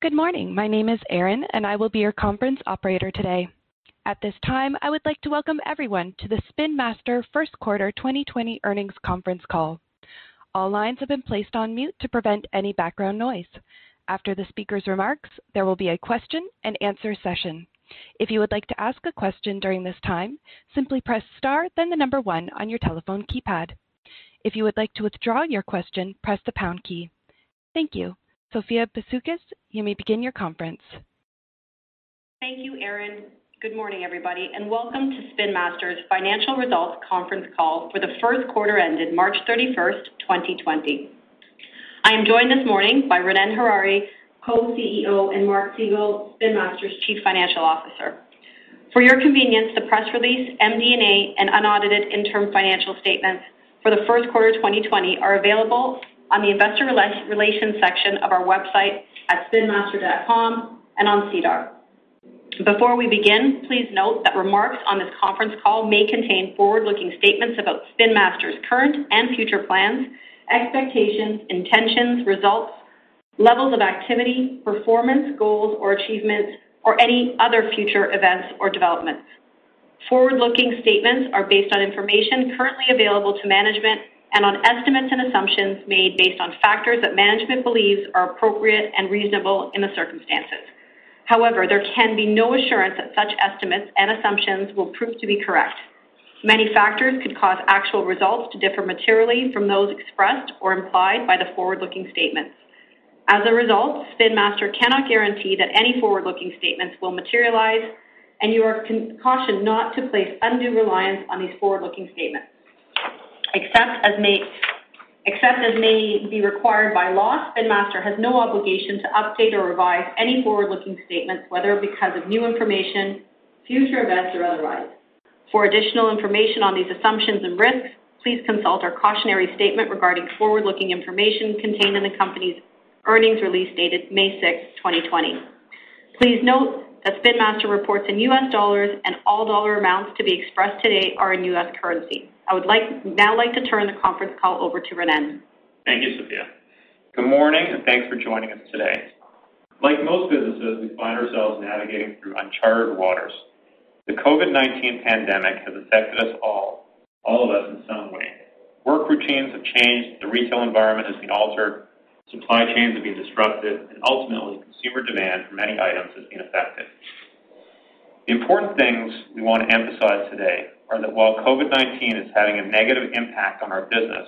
Good morning. My name is Erin, and I will be your conference operator today. At this time, I would like to welcome everyone to the Spin Master first quarter 2020 earnings conference call. All lines have been placed on mute to prevent any background noise. After the speaker's remarks, there will be a question and answer session. If you would like to ask a question during this time, simply press star, then the number one on your telephone keypad. If you would like to withdraw your question, press the pound key. Thank you. Sophia Bisoukis, you may begin your conference. Thank you, Erin. Good morning, everybody, and welcome to Spin Master's financial results conference call for the first quarter ended March 31st, 2020. I am joined this morning by Ronnen Harary, Co-CEO, and Mark Segal, Spin Master's Chief Financial Officer. For your convenience, the press release, MD&A, and unaudited interim financial statements for the first quarter 2020 are available on the investor relations section of our website at spinmaster.com and on SEDAR. Before we begin, please note that remarks on this conference call may contain forward-looking statements about Spin Master's current and future plans, expectations, intentions, results, levels of activity, performance, goals or achievements, or any other future events or developments. Forward-looking statements are based on information currently available to management and on estimates and assumptions made based on factors that management believes are appropriate and reasonable in the circumstances. However, there can be no assurance that such estimates and assumptions will prove to be correct. Many factors could cause actual results to differ materially from those expressed or implied by the forward-looking statements. As a result, Spin Master cannot guarantee that any forward-looking statements will materialize, and you are cautioned not to place undue reliance on these forward-looking statements. Except as may be required by law, Spin Master has no obligation to update or revise any forward-looking statements, whether because of new information, future events, or otherwise. For additional information on these assumptions and risks, please consult our cautionary statement regarding forward-looking information contained in the company's earnings release dated May 6th, 2020. Please note that Spin Master reports in U.S. dollars and all dollar amounts to be expressed today are in U.S. currency. I would now like to turn the conference call over to Ronnen. Thank you, Sophia. Good morning, and thanks for joining us today. Like most businesses, we find ourselves navigating through uncharted waters. The COVID-19 pandemic has affected all of us in some way. Work routines have changed, the retail environment has been altered, supply chains have been disrupted, and ultimately, consumer demand for many items has been affected. The important things we want to emphasize today are that while COVID-19 is having a negative impact on our business,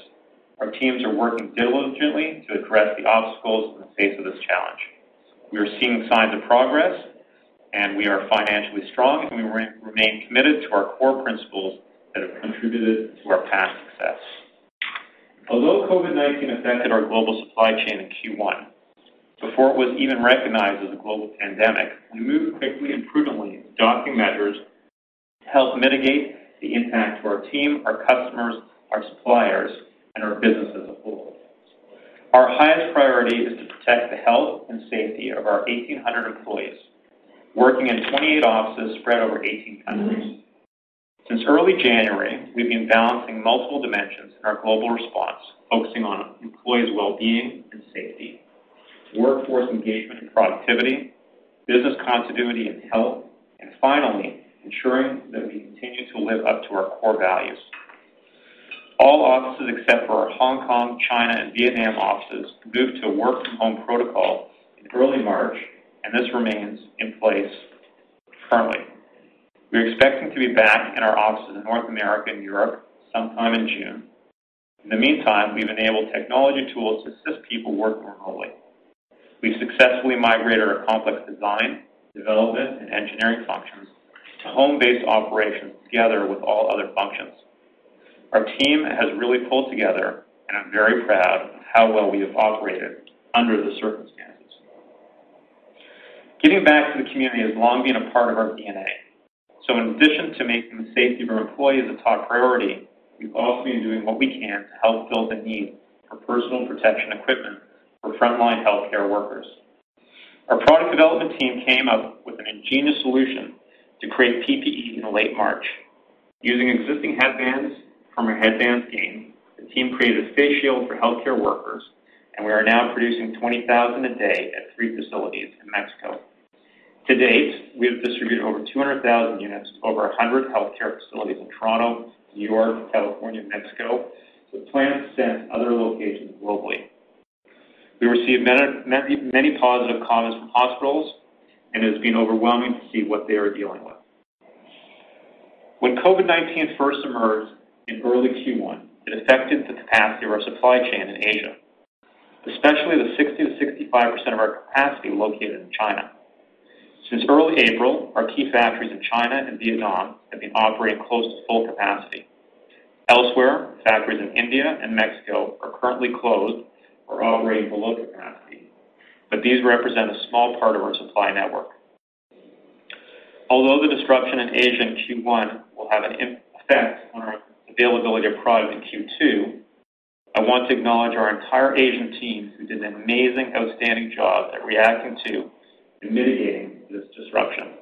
our teams are working diligently to address the obstacles in the face of this challenge. We are seeing signs of progress, and we are financially strong, and we remain committed to our core principles that have contributed to our past success. Although COVID-19 affected our global supply chain in Q1, before it was even recognized as a global pandemic, we moved quickly and prudently, adopting measures to help mitigate the impact to our team, our customers, our suppliers, and our business as a whole. Our highest priority is to protect the health and safety of our 1,800 employees working in 28 offices spread over 18 countries. Since early January, we've been balancing multiple dimensions in our global response, focusing on employees' well-being and safety, workforce engagement and productivity, business continuity and health, and finally, ensuring that we continue to live up to our core values. All offices except for our Hong Kong, China, and Vietnam offices moved to a work from home protocol in early March, and this remains in place currently. We're expecting to be back in our offices in North America and Europe sometime in June. In the meantime, we've enabled technology tools to assist people working remotely. We've successfully migrated our complex design, development, and engineering functions to home-based operations together with all other functions. Our team has really pulled together, and I'm very proud of how well we have operated under the circumstances. Giving back to the community has long been a part of our DNA. In addition to making the safety of our employees a top priority, we've also been doing what we can to help fill the need for personal protection equipment for frontline healthcare workers. Our product development team came up with an ingenious solution to create PPE in late March. Using existing headbands from our Hedbanz team, the team created a face shield for healthcare workers, and we are now producing 20,000 a day at three facilities in Mexico. To date, we have distributed over 200,000 units to over 100 healthcare facilities in Toronto, New York, California, and Mexico, with plans to send other locations globally. We received many positive comments from hospitals, and it has been overwhelming to see what they are dealing with. When COVID-19 first emerged in early Q1, it affected the capacity of our supply chain in Asia, especially the 60%-65% of our capacity located in China. Since early April, our key factories in China and Vietnam have been operating close to full capacity. Elsewhere, factories in India and Mexico are currently closed or operating below capacity, but these represent a small part of our supply network. Although the disruption in Asia in Q1 will have an effect on our availability of product in Q2, I want to acknowledge our entire Asian teams who did an amazing, outstanding job at reacting to and mitigating this disruption.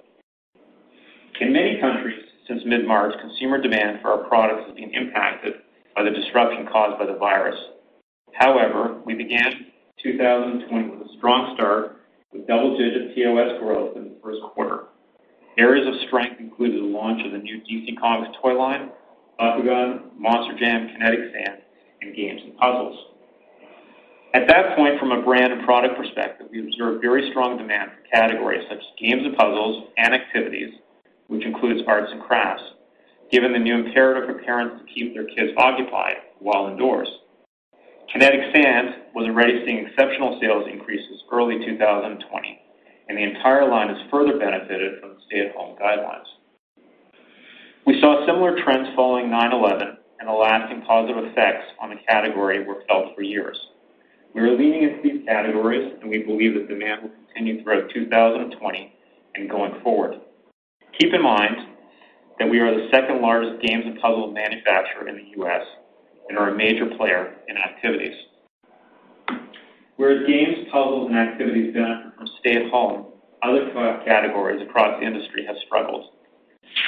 In many countries since mid-March, consumer demand for our products has been impacted by the disruption caused by the virus. However, we began 2020 with a strong start with double-digit POS growth in the first quarter. Areas of strength included the launch of the new DC Comics toy line, Bakugan, Monster Jam, Kinetic Sand, and games and puzzles. At that point, from a brand and product perspective, we observed very strong demand for categories such as games and puzzles and activities, which includes arts and crafts, given the new imperative for parents to keep their kids occupied while indoors. Kinetic Sand was already seeing exceptional sales increases early 2020, and the entire line has further benefited from the stay-at-home guidelines. We saw similar trends following 9/11, and the lasting positive effects on the category were felt for years. We are leaning into these categories, and we believe that demand will continue throughout 2020 and going forward. Keep in mind that we are the second-largest games and puzzle manufacturer in the U.S. and are a major player in activities. Where games, puzzles, and activities benefit from stay-at-home, other categories across the industry have struggled.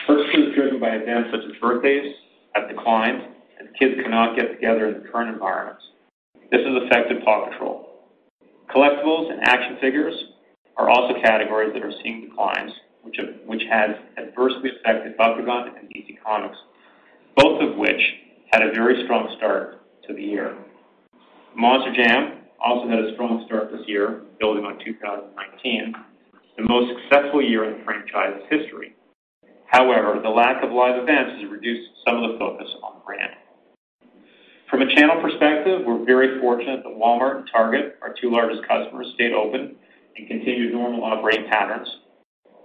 Purchases driven by events such as birthdays have declined, as kids cannot get together in the current environment. This has affected PAW Patrol. Collectibles and action figures are also categories that are seeing declines, which has adversely affected Bakugan and DC Comics, both of which had a very strong start to the year. Monster Jam also had a strong start this year, building on 2019, the most successful year in the franchise's history. However, the lack of live events has reduced some of the focus on the brand. From a channel perspective, we're very fortunate that Walmart and Target, our two largest customers, stayed open and continued normal operating patterns.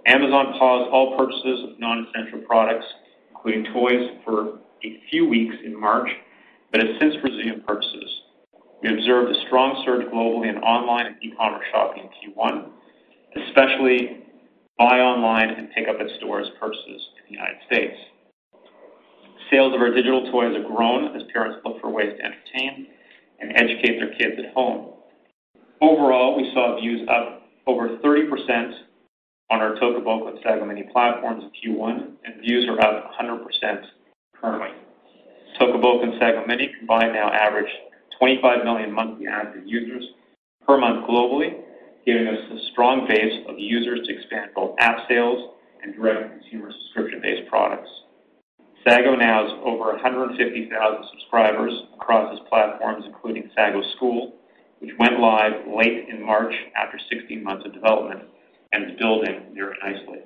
Amazon paused all purchases of non-essential products, including toys, for a few weeks in March, but has since resumed purchases. We observed a strong surge globally in online and e-commerce shopping in Q1, especially buy online and pick up at stores purchases in the U.S. Sales of our digital toys have grown as parents look for ways to entertain and educate their kids at home. Overall, we saw views up over 30% on our Toca Boca and Sago Mini platforms in Q1, and views are up 100% currently. Toca Boca and Sago Mini combined now average 25 million monthly active users per month globally, giving us a strong base of users to expand both app sales and direct-to-consumer subscription-based products. Sago now has over 150,000 subscribers across its platforms, including Sago Mini School, which went live late in March after 16 months of development and is building very nicely.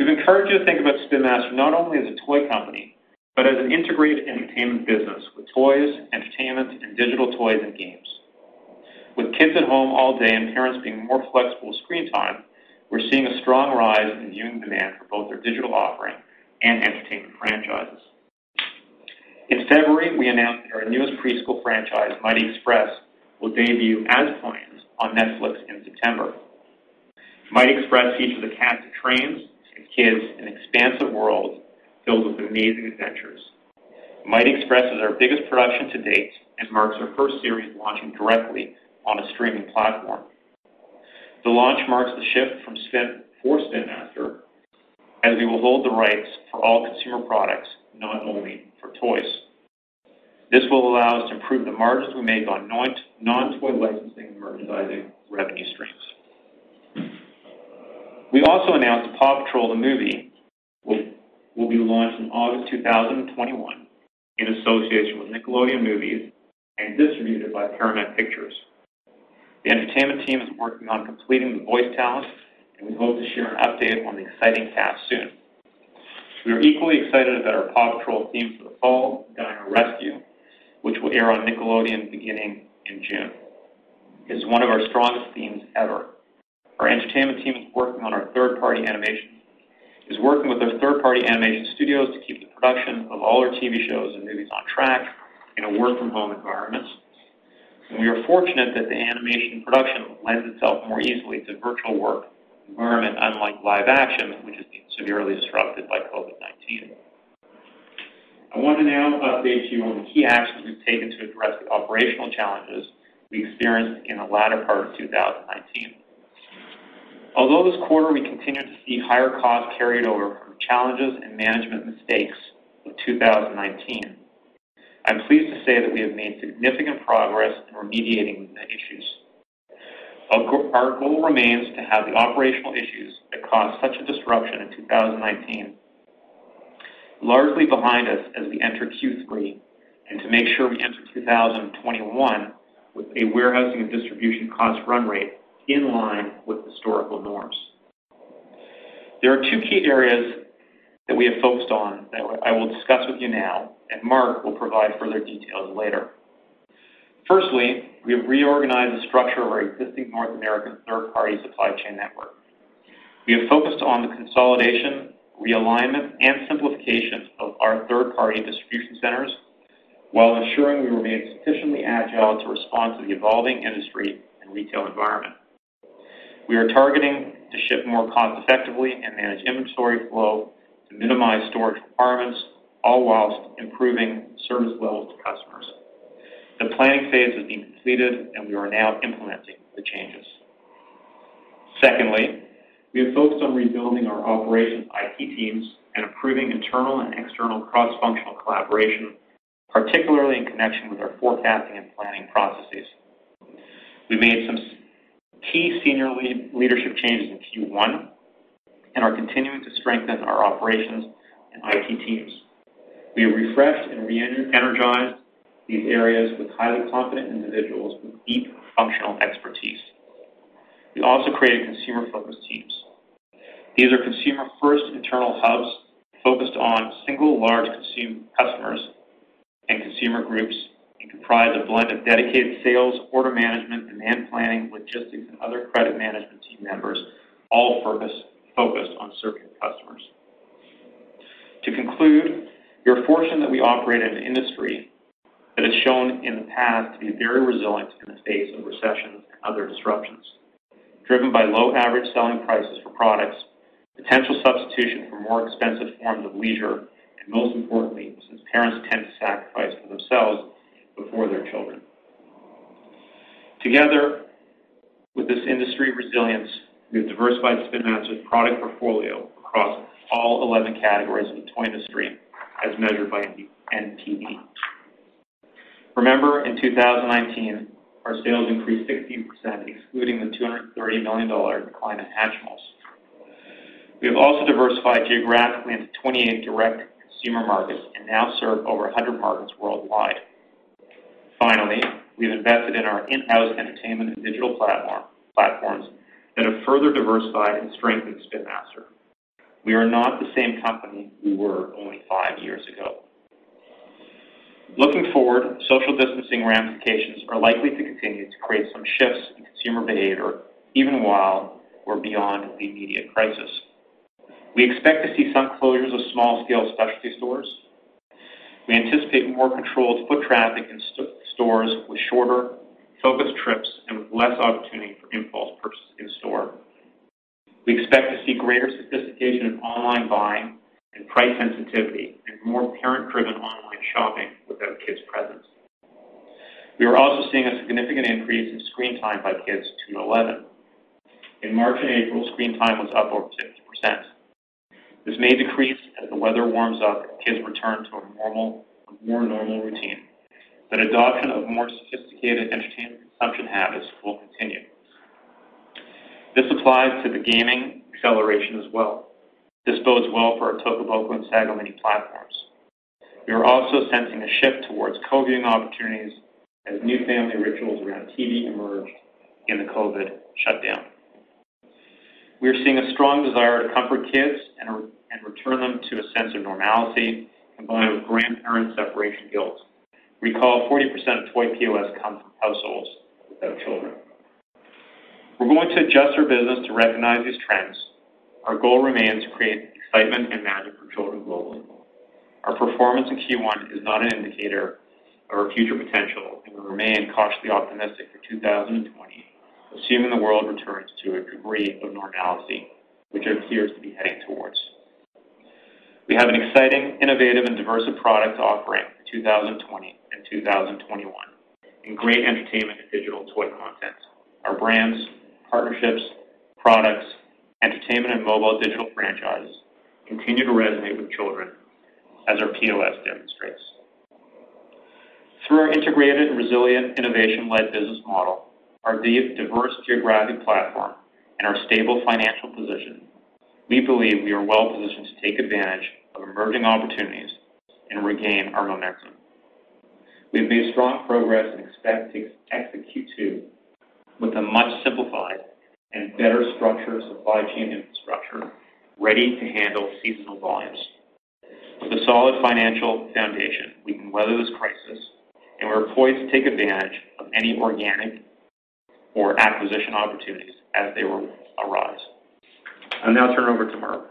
We've encouraged you to think about Spin Master not only as a toy company, but as an integrated entertainment business with toys, entertainment, and digital toys and games. With kids at home all day and parents being more flexible with screen time, we're seeing a strong rise in viewing demand for both our digital offering and entertainment franchises. In February, we announced that our newest preschool franchise, Mighty Express, will debut as planned on Netflix in September. Mighty Express features a cast of trains and kids in an expansive world filled with amazing adventures. Mighty Express is our biggest production to date and marks our first series launching directly on a streaming platform. The launch marks the shift for Spin Master, as we will hold the rights for all consumer products, not only for toys. This will allow us to improve the margins we make on non-toy licensing and merchandising revenue streams. We also announced PAW Patrol: The Movie, which will be launched in August 2021 in association with Nickelodeon Movies and distributed by Paramount Pictures. The entertainment team is working on completing the voice talent, and we hope to share an update on the exciting cast soon. We are equally excited about our PAW Patrol theme for the fall, Dino Rescue, which will air on Nickelodeon beginning in June. It's one of our strongest themes ever. Our entertainment team is working with their third-party animation studios to keep the production of all our TV shows and movies on track in a work-from-home environment. We are fortunate that the animation production lends itself more easily to virtual work environment, unlike live action, which has been severely disrupted by COVID-19. I want to now update you on the key actions we've taken to address the operational challenges we experienced in the latter part of 2019. Although this quarter, we continued to see higher costs carried over from challenges and management mistakes of 2019, I'm pleased to say that we have made significant progress in remediating many issues. Our goal remains to have the operational issues that caused such a disruption in 2019 largely behind us as we enter Q3 and to make sure we enter 2021 with a warehousing and distribution cost run rate in line with historical norms. There are two key areas that we have focused on that I will discuss with you now. Mark will provide further details later. Firstly, we have reorganized the structure of our existing North American third-party supply chain network. We have focused on the consolidation, realignment, and simplification of our third-party distribution centers while ensuring we remain sufficiently agile to respond to the evolving industry and retail environment. We are targeting to ship more cost effectively and manage inventory flow to minimize storage requirements, all whilst improving service levels to customers. The planning phase has been completed and we are now implementing the changes. Secondly, we have focused on rebuilding our operations IT teams and improving internal and external cross-functional collaboration, particularly in connection with our forecasting and planning processes. We made some key senior leadership changes in Q1 and are continuing to strengthen our operations and IT teams. We have refreshed and re-energized these areas with highly competent individuals with deep functional expertise. We also created consumer-focused teams. These are consumer-first internal hubs focused on single large customers and consumer groups, and comprise a blend of dedicated sales, order management, demand planning, logistics, and other credit management team members, all purpose-focused on serving customers. To conclude, we are fortunate that we operate in an industry that has shown in the past to be very resilient in the face of recessions and other disruptions, driven by low average selling prices for products, potential substitution for more expensive forms of leisure, and most importantly, since parents tend to sacrifice for themselves before their children. Together with this industry resilience, we have diversified Spin Master's product portfolio across all 11 categories of the toy industry as measured by NPD. Remember, in 2019, our sales increased 15%, excluding the $230 million decline in Hatchimals. We have also diversified geographically into 28 direct-to-consumer markets and now serve over 100 markets worldwide. We have invested in our in-house entertainment and digital platforms that have further diversified and strengthened Spin Master. We are not the same company we were only five years ago. Looking forward, social distancing ramifications are likely to continue to create some shifts in consumer behavior, even while we're beyond the immediate crisis. We expect to see some closures of small-scale specialty stores. We anticipate more controlled foot traffic in stores with shorter, focused trips and with less opportunity for impulse purchase in store. We expect to see greater sophistication in online buying and price sensitivity and more parent-driven online shopping without kids' presence. We are also seeing a significant increase in screen time by kids 2-11 years old. In March and April, screen time was up over 50%. This may decrease as the weather warms up and kids return to a more normal routine, but adoption of more sophisticated entertainment consumption habits will continue. This applies to the gaming acceleration as well. This bodes well for our Toca Boca and Sago Mini platforms. We are also sensing a shift towards co-viewing opportunities as new family rituals around TV emerged in the COVID-19 shutdown. We are seeing a strong desire to comfort kids and return them to a sense of normality combined with grandparent separation guilt. Recall, 40% of toy POS come from households without children. We're going to adjust our business to recognize these trends. Our goal remains to create excitement and magic for children globally. Our performance in Q1 is not an indicator of our future potential, and we remain cautiously optimistic for 2020, assuming the world returns to a degree of normality, which it appears to be heading towards. We have an exciting, innovative, and diverse product offering for 2020 and 2021 and great entertainment and digital toy content. Our brands, partnerships, products, entertainment, and mobile digital franchise continue to resonate with children, as our POS demonstrates. Through our integrated and resilient innovation-led business model, our diverse geographic platform, and our stable financial position, we believe we are well positioned to take advantage of emerging opportunities and regain our momentum. We have made strong progress and expect to execute to with a much simplified and better structure supply chain infrastructure ready to handle seasonal volumes. With a solid financial foundation, we can weather this crisis, and we are poised to take advantage of any organic or acquisition opportunities as they arise. I'll now turn it over to Mark.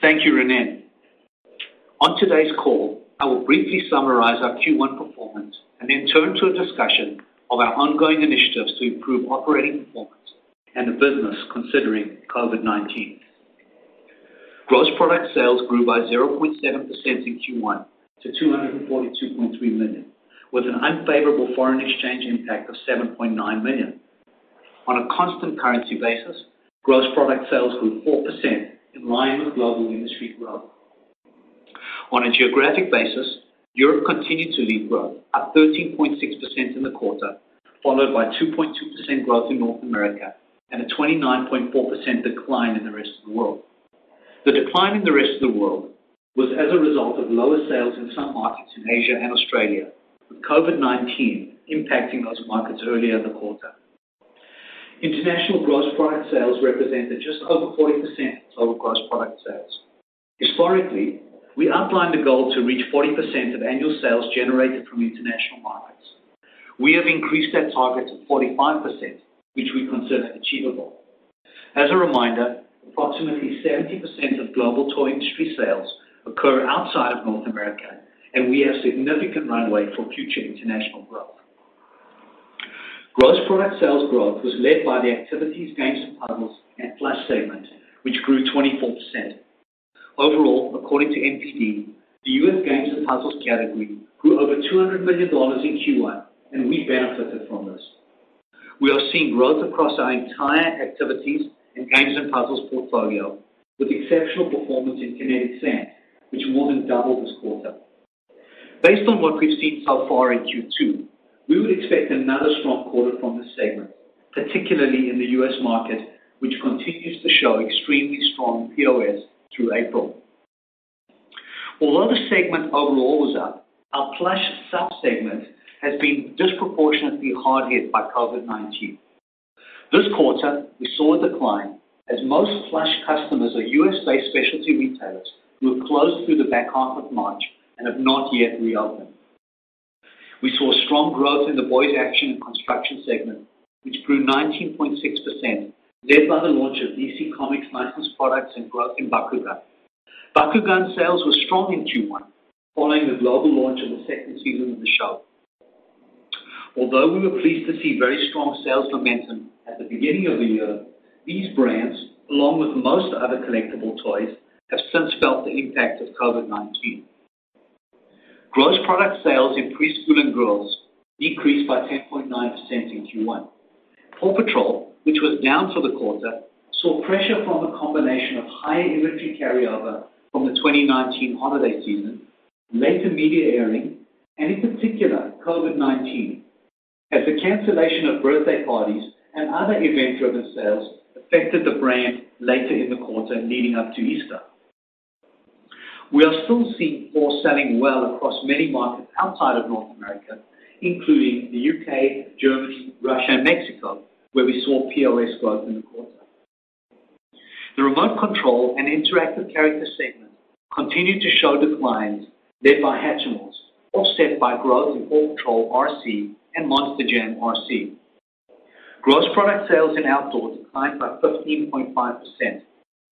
Thank you, Ronnen. On today's call, I will briefly summarize our Q1 performance and then turn to a discussion of our ongoing initiatives to improve operating performance and the business considering COVID-19. Gross product sales grew by 0.7% in Q1 to $242.3 million, with an unfavorable foreign exchange impact of $7.9 million. On a constant currency basis, gross product sales grew 4%, in line with global industry growth. On a geographic basis, Europe continued to lead growth, up 13.6% in the quarter, followed by 2.2% growth in North America and a 29.4% decline in the rest of the world. The decline in the rest of the world was as a result of lower sales in some markets in Asia and Australia, with COVID-19 impacting those markets early in the quarter. International gross product sales represented just over 40% of total gross product sales. Historically, we outlined a goal to reach 40% of annual sales generated from international markets. We have increased that target to 45%, which we consider achievable. As a reminder, approximately 70% of global toy industry sales occur outside of North America, and we have significant runway for future international growth. Gross product sales growth was led by the Activities, Games & Puzzles, and Plush segment, which grew 24%. Overall, according to NPD, the U.S. games and puzzles category grew over $200 million in Q1, and we benefited from this. We are seeing growth across our entire Activities, Games & Puzzles portfolio, with exceptional performance in Kinetic Sand, which more than doubled this quarter. Based on what we've seen so far in Q2, we would expect another strong quarter from this segment, particularly in the U.S. market, which continues to show extremely strong POS through April. Although the segment overall was up, our Plush sub-segment has been disproportionately hard hit by COVID-19. This quarter, we saw a decline as most Plush customers are U.S.-based specialty retailers who have closed through the back half of March and have not yet reopened. We saw strong growth in the Boys Action and Construction segment, which grew 19.6%, led by the launch of DC Comics licensed products and growth in Bakugan. Bakugan sales were strong in Q1, following the global launch of the second season of the show. Although we were pleased to see very strong sales momentum at the beginning of the year, these brands, along with most other collectible toys, have since felt the impact of COVID-19. Gross product sales in Preschool and Girls decreased by 10.9% in Q1. PAW Patrol, which was down for the quarter, saw pressure from a combination of higher inventory carryover from the 2019 holiday season, later media airing, and in particular, COVID-19, as the cancellation of birthday parties and other event-driven sales affected the brand later in the quarter leading up to Easter. We are still seeing PAW selling well across many markets outside of North America, including the U.K., Germany, Russia, and Mexico, where we saw POS growth in the quarter. The Remote Control and Interactive Character segment continued to show declines led by Hatchimals, offset by growth in PAW Patrol RC and Monster Jam RC. Gross product sales in Outdoor declined by 15.5%,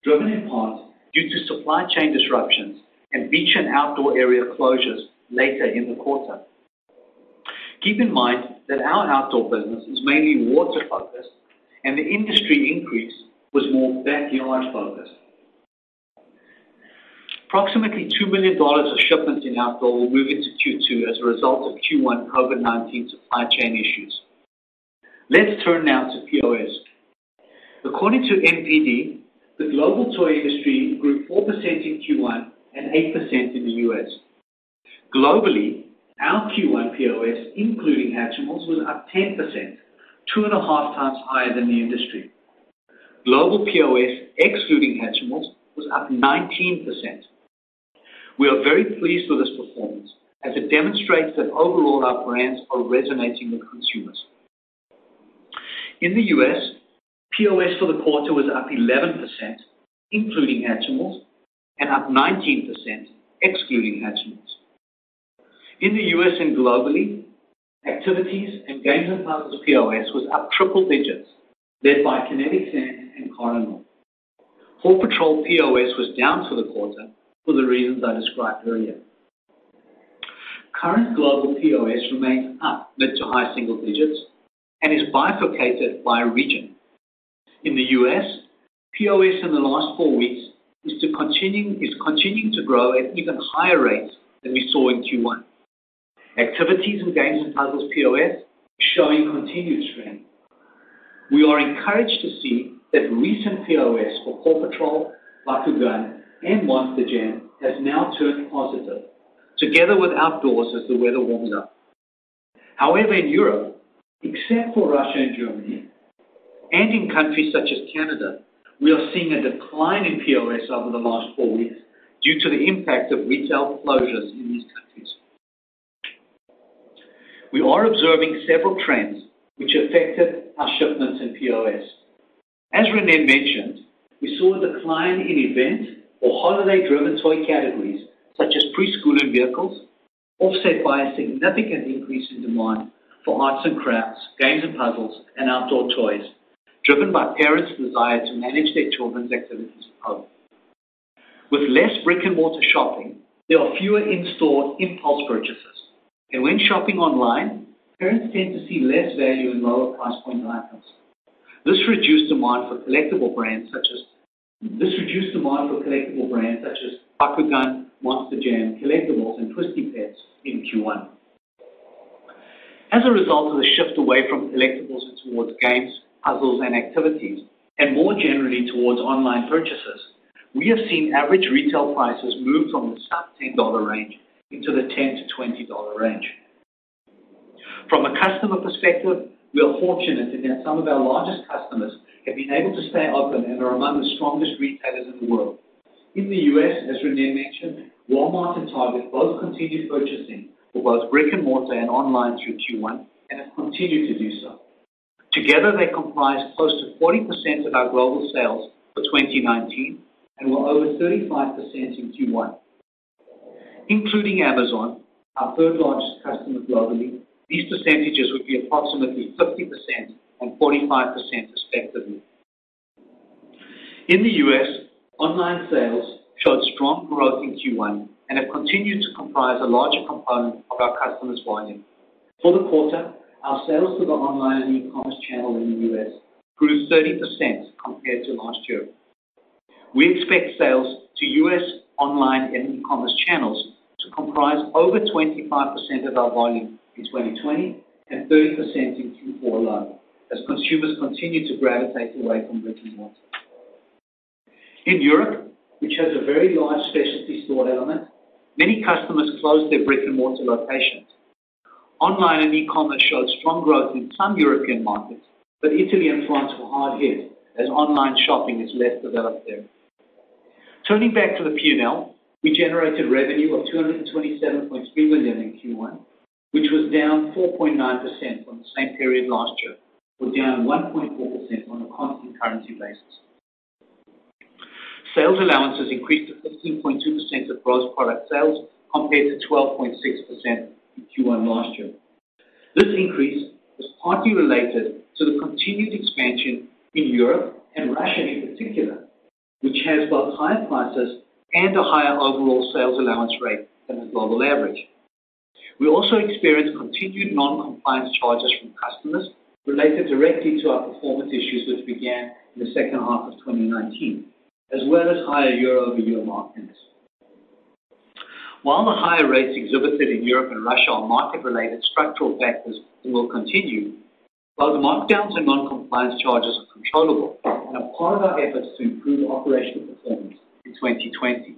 driven in part due to supply chain disruptions and beach and outdoor area closures later in the quarter. Keep in mind that our Outdoor business is mainly water-focused, and the industry increase was more backyard-focused. Approximately $2 million of shipments in Outdoor will move into Q2 as a result of Q1 COVID-19 supply chain issues. Let's turn now to POS. According to NPD, the global toy industry grew 4% in Q1 and 8% in the U.S. Globally, our Q1 POS, including Hatchimals, was up 10%, 2.5 x higher than the industry. Global POS, excluding Hatchimals, was up 19%. We are very pleased with this performance as it demonstrates that overall our brands are resonating with consumers. In the U.S., POS for the quarter was up 11%, including Hatchimals, and up 19%, excluding Hatchimals. In the U.S. and globally, Activities, Games & Puzzles POS was up triple digits, led by Kinetic Sand and Cool Maker. PAW Patrol POS was down for the quarter for the reasons I described earlier. Current global POS remains up mid to high single digits and is bifurcated by region. In the U.S., POS in the last four weeks is continuing to grow at even higher rates than we saw in Q1. Activities, Games & Puzzles POS is showing continued strength. We are encouraged to see that recent POS for PAW Patrol, Bakugan, and Monster Jam has now turned positive, together with outdoors as the weather warms up. In Europe, except for Russia and Germany, and in countries such as Canada, we are seeing a decline in POS over the last four weeks due to the impact of retail closures in these countries. We are observing several trends which affected our shipments and POS. As Ronnen mentioned, we saw a decline in event or holiday-driven toy categories such as preschool and vehicles, offset by a significant increase in demand for arts and crafts, games and puzzles, and outdoor toys, driven by parents' desire to manage their children's activities at home. With less brick-and-mortar shopping, there are fewer in-store impulse purchases. When shopping online, parents tend to see less value in lower price point items. This reduced demand for collectible brands such as Bakugan, Monster Jam collectibles, and Twisty Petz in Q1. As a result of the shift away from collectibles and towards games, puzzles, and activities, and more generally towards online purchases, we have seen average retail prices move from the sub $10 range into the $10-$20 range. From a customer perspective, we are fortunate in that some of our largest customers have been able to stay open and are among the strongest retailers in the world. In the U.S., as Ronnen mentioned, Walmart and Target both continued purchasing for both brick and mortar and online through Q1 and have continued to do so. Together, they comprise close to 40% of our global sales for 2019 and were over 35% in Q1. Including Amazon, our third largest customer globally, these percentages would be approximately 50% and 45% respectively. In the U.S., online sales showed strong growth in Q1 and have continued to comprise a larger component of our customers' volume. For the quarter, our sales through the online and e-commerce channel in the U.S. grew 30% compared to last year. We expect sales to U.S. online and e-commerce channels to comprise over 25% of our volume in 2020 and 30% in Q4 alone, as consumers continue to gravitate away from brick and mortar. In Europe, which has a very large specialty store element, many customers closed their brick and mortar locations. Online and e-commerce showed strong growth in some European markets, Italy and France were hard hit as online shopping is less developed there. Turning back to the P&L, we generated revenue of $227.3 million in Q1, which was down 4.9% from the same period last year, or down 1.4% on a constant currency basis. Sales allowances increased to 15.2% of gross product sales, compared to 12.6% in Q1 last year. This increase was partly related to the continued expansion in Europe and Russia in particular, which has both higher prices and a higher overall sales allowance rate than the global average. We also experienced continued non-compliance charges from customers related directly to our performance issues, which began in the second half of 2019, as well as higher year-over-year markdowns. While the higher rates exhibited in Europe and Russia are market-related structural factors and will continue, both the markdowns and non-compliance charges are controllable and are part of our efforts to improve operational performance in 2020.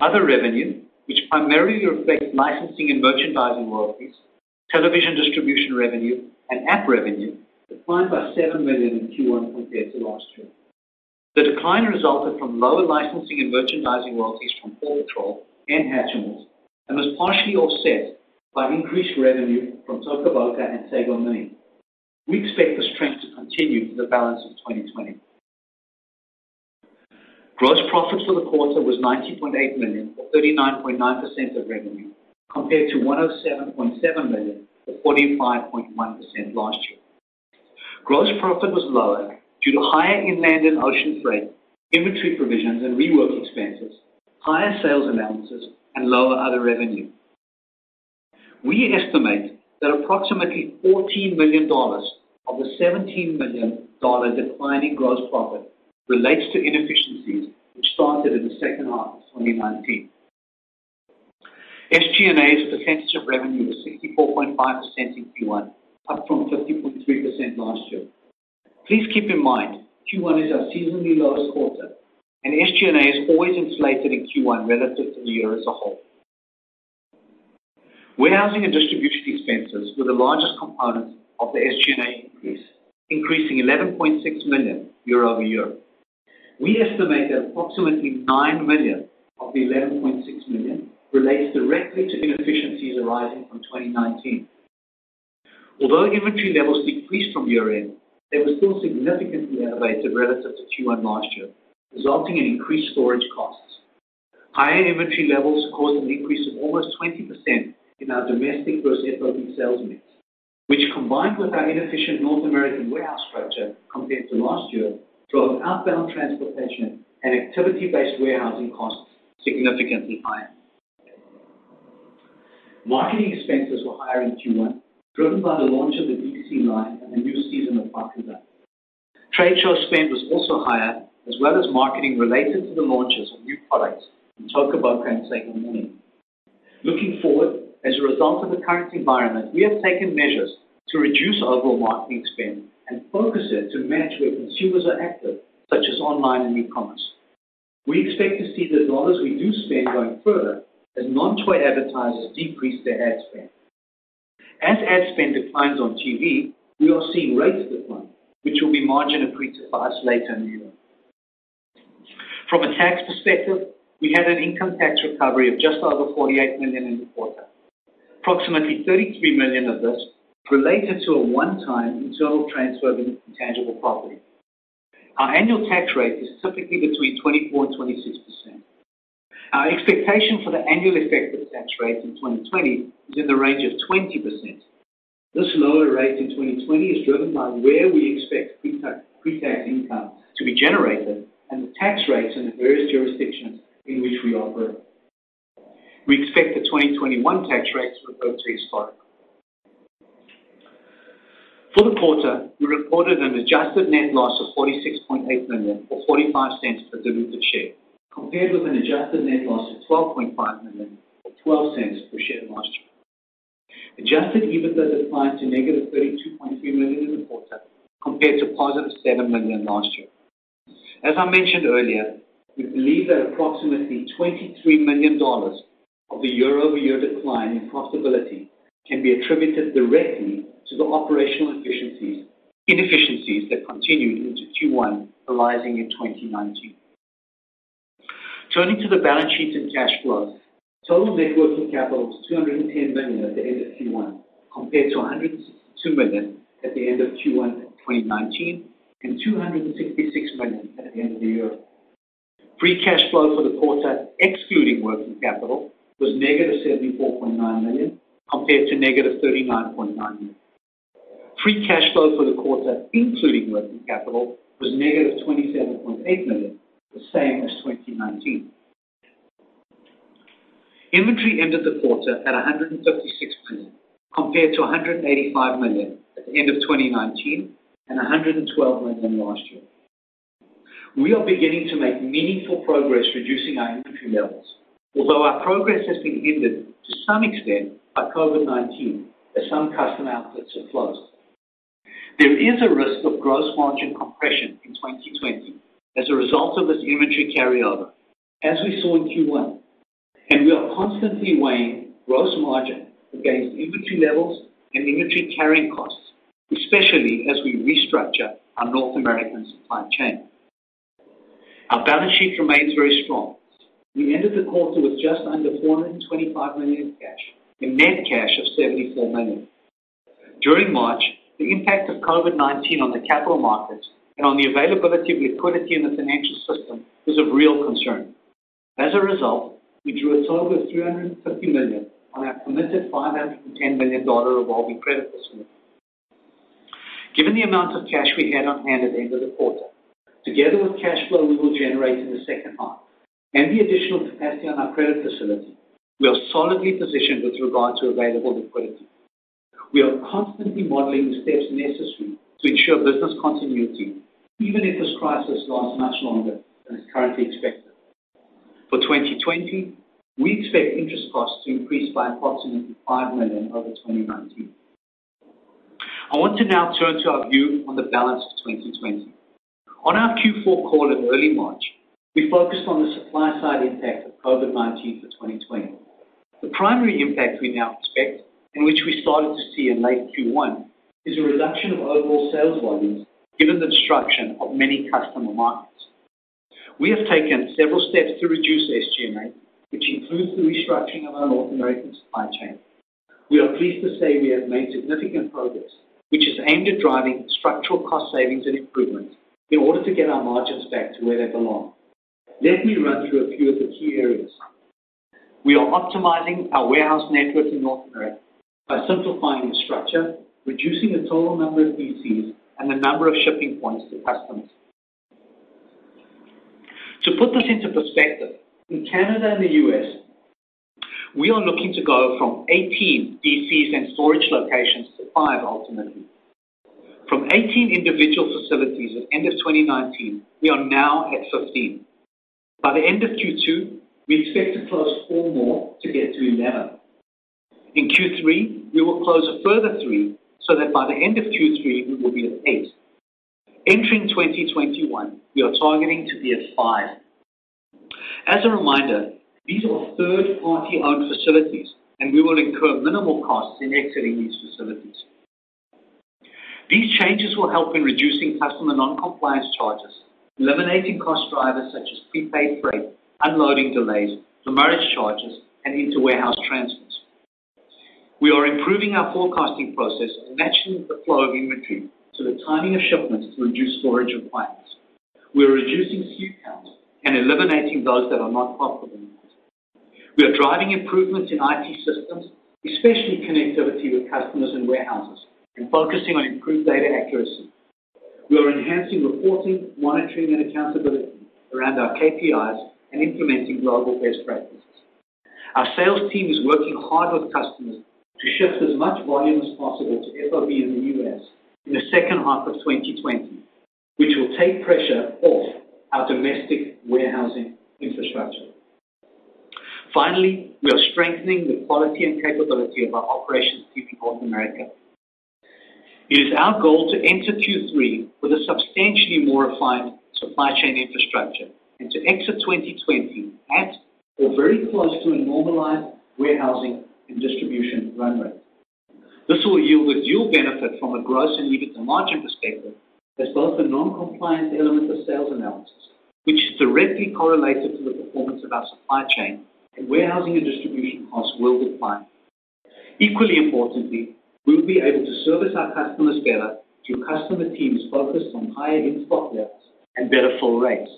Other revenue, which primarily reflects licensing and merchandising royalties, television distribution revenue, and app revenue, declined by $7 million in Q1 compared to last year. The decline resulted from lower licensing and merchandising royalties from PAW Patrol and Hatchimals, and was partially offset by increased revenue from Toca Boca and Sago Mini. We expect the strength to continue for the balance of 2020. Gross profit for the quarter was $90.8 million, or 39.9% of revenue, compared to $107.7 million, or 45.1% last year. Gross profit was lower due to higher inland and ocean freight, inventory provisions and rework expenses, higher sales allowances, and lower other revenue. We estimate that approximately $14 million of the $17 million decline in gross profit relates to inefficiencies, which started in the second half of 2019. SG&A as a percentage of revenue was 64.5% in Q1, up from 50.3% last year. Please keep in mind, Q1 is our seasonally lowest quarter, and SG&A is always inflated in Q1 relative to the year as a whole. Warehousing and distribution expenses were the largest component of the SG&A increase, increasing $11.6 million year-over-year. We estimate that approximately $9 million of the $11.6 million relates directly to inefficiencies arising from 2019. Although inventory levels decreased from year-end, they were still significantly elevated relative to Q1 last year, resulting in increased storage costs. Higher inventory levels caused an increase of almost 20% in our domestic gross FOB sales mix, which combined with our inefficient North American warehouse structure compared to last year, drove outbound transportation and activity-based warehousing costs significantly higher. Marketing expenses were higher in Q1, driven by the launch of the DC line and the new season of PAW Patrol. Trade show spend was also higher, as well as marketing related to the launches of new products from Toca Boca and Sago Mini. Looking forward, as a result of the current environment, we have taken measures to reduce overall marketing spend and focus it to match where consumers are active, such as online and e-commerce. We expect to see the dollars we do spend going further as non-toy advertisers decrease their ad spend. As ad spend declines on TV, we are seeing rates decline, which will be margin accretive for us later in the year. From a tax perspective, we had an income tax recovery of just over $48 million in the quarter. Approximately $33 million of this related to a one-time internal transfer of intangible property. Our annual tax rate is typically between 24% and 26%. Our expectation for the annual effective tax rate in 2020 is in the range of 20%. This lower rate in 2020 is driven by where we expect pre-tax income to be generated and the tax rates in the various jurisdictions in which we operate. We expect the 2021 tax rates to approach these targets. For the quarter, we reported an adjusted net loss of $46.8 million or $0.45 per diluted share, compared with an adjusted net loss of $12.5 million or $0.12 per share last year. Adjusted EBITDA declined to -$32.3 million in the quarter, compared to +$7 million last year. As I mentioned earlier, we believe that approximately $23 million of the year-over-year decline in profitability can be attributed directly to the operational inefficiencies that continued into Q1 arising in 2019. Turning to the balance sheet and cash flow, total net working capital was 210 million at the end of Q1, compared to 102 million at the end of Q1 2019 and 266 million at the end of the year. Free cash flow for the quarter, excluding working capital, was -74.9 million, compared to -39.9 million. Free cash flow for the quarter, including working capital, was -27.8 million, the same as 2019. Inventory ended the quarter at 156 million, compared to 185 million at the end of 2019 and 112 million last year. We are beginning to make meaningful progress reducing our inventory levels, although our progress has been hindered to some extent by COVID-19, as some customer outlets have closed. There is a risk of gross margin compression in 2020 as a result of this inventory carryover, as we saw in Q1. We are constantly weighing gross margin against inventory levels and inventory carrying costs, especially as we restructure our North American supply chain. Our balance sheet remains very strong. We ended the quarter with just under $425 million in cash and net cash of $74 million. During March, the impact of COVID-19 on the capital markets and on the availability of liquidity in the financial system was of real concern. As a result, we drew a total of $350 million on our committed $510 million revolving credit facility. Given the amount of cash we had on hand at the end of the quarter, together with cash flow we will generate in the second half and the additional capacity on our credit facility, we are solidly positioned with regard to available liquidity. We are constantly modeling the steps necessary to ensure business continuity, even if this crisis lasts much longer than is currently expected. For 2020, we expect interest costs to increase by approximately $5 million over 2019. I want to now turn to our view on the balance of 2020. On our Q4 call in early March, we focused on the supply side impact of COVID-19 for 2020. The primary impact we now expect, and which we started to see in late Q1, is a reduction of overall sales volumes given the disruption of many customer markets. We have taken several steps to reduce SG&A, which includes the restructuring of our North American supply chain. We are pleased to say we have made significant progress, which is aimed at driving structural cost savings and improvements in order to get our margins back to where they belong. Let me run through a few of the key areas. We are optimizing our warehouse network in North America by simplifying the structure, reducing the total number of DCs and the number of shipping points to customers. To put this into perspective, in Canada and the U.S., we are looking to go from 18 DCs and storage locations to five, ultimately. From 18 individual facilities at the end of 2019, we are now at 15. By the end of Q2, we expect to close four more to get to 11. In Q3, we will close a further three, so that by the end of Q3, we will be at eight. Entering 2021, we are targeting to be at five. As a reminder, these are third-party owned facilities, and we will incur minimal costs in exiting these facilities. These changes will help in reducing customer non-compliance charges, eliminating cost drivers such as prepaid freight, unloading delays, demurrage charges, and into warehouse transits. We are improving our forecasting process to match the flow of inventory to the timing of shipments to reduce storage requirements. We are reducing SKU counts and eliminating those that are not profitable. We are driving improvements in IT systems, especially connectivity with customers and warehouses, and focusing on improved data accuracy. We are enhancing reporting, monitoring, and accountability around our KPIs and implementing global best practices. Our sales team is working hard with customers to shift as much volume as possible to FOB in the U.S. in the second half of 2020, which will take pressure off our domestic warehousing infrastructure. Finally, we are strengthening the quality and capability of our operations team in North America. It is our goal to enter Q3 with a substantially more refined supply chain infrastructure and to exit 2020 at or very close to a normalized warehousing and distribution run rate. This will yield dual benefit from a gross and EBITDA margin perspective, as well as the non-compliant element of sales analysis, which is directly correlated to the performance of our supply chain and warehousing and distribution costs will decline. Equally importantly, we will be able to service our customers better through customer teams focused on higher in-stock levels and better fill rates.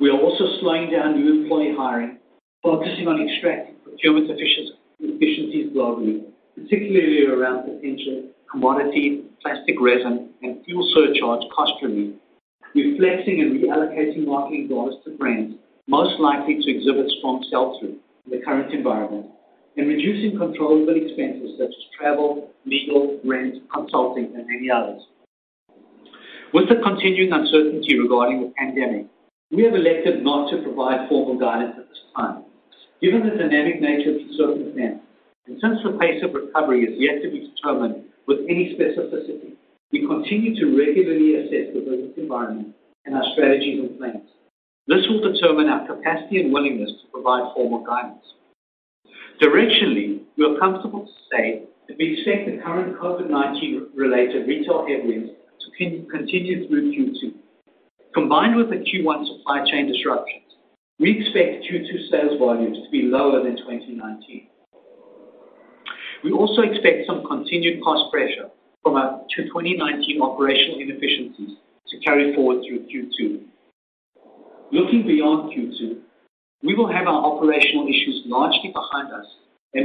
We are also slowing down new employee hiring, focusing on extracting procurement efficiencies globally, particularly around potential commodity, plastic resin, and fuel surcharge cost relief, reflexing and reallocating marketing dollars to brands most likely to exhibit strong sell-through in the current environment, and reducing controllable expenses such as travel, legal, rent, consulting, and many others. With the continuing uncertainty regarding the pandemic, we have elected not to provide formal guidance at this time. Given the dynamic nature of the circumstance, since the pace of recovery is yet to be determined with any specificity, we continue to regularly assess the business environment and our strategies and plans. This will determine our capacity and willingness to provide formal guidance. Directionally, we are comfortable to say that we expect the current COVID-19 related retail headwinds to continue through Q2. Combined with the Q1 supply chain disruptions, we expect Q2 sales volumes to be lower than 2019. We also expect some continued cost pressure from our 2019 operational inefficiencies to carry forward through Q2. Looking beyond Q2, we will have our operational issues largely behind us,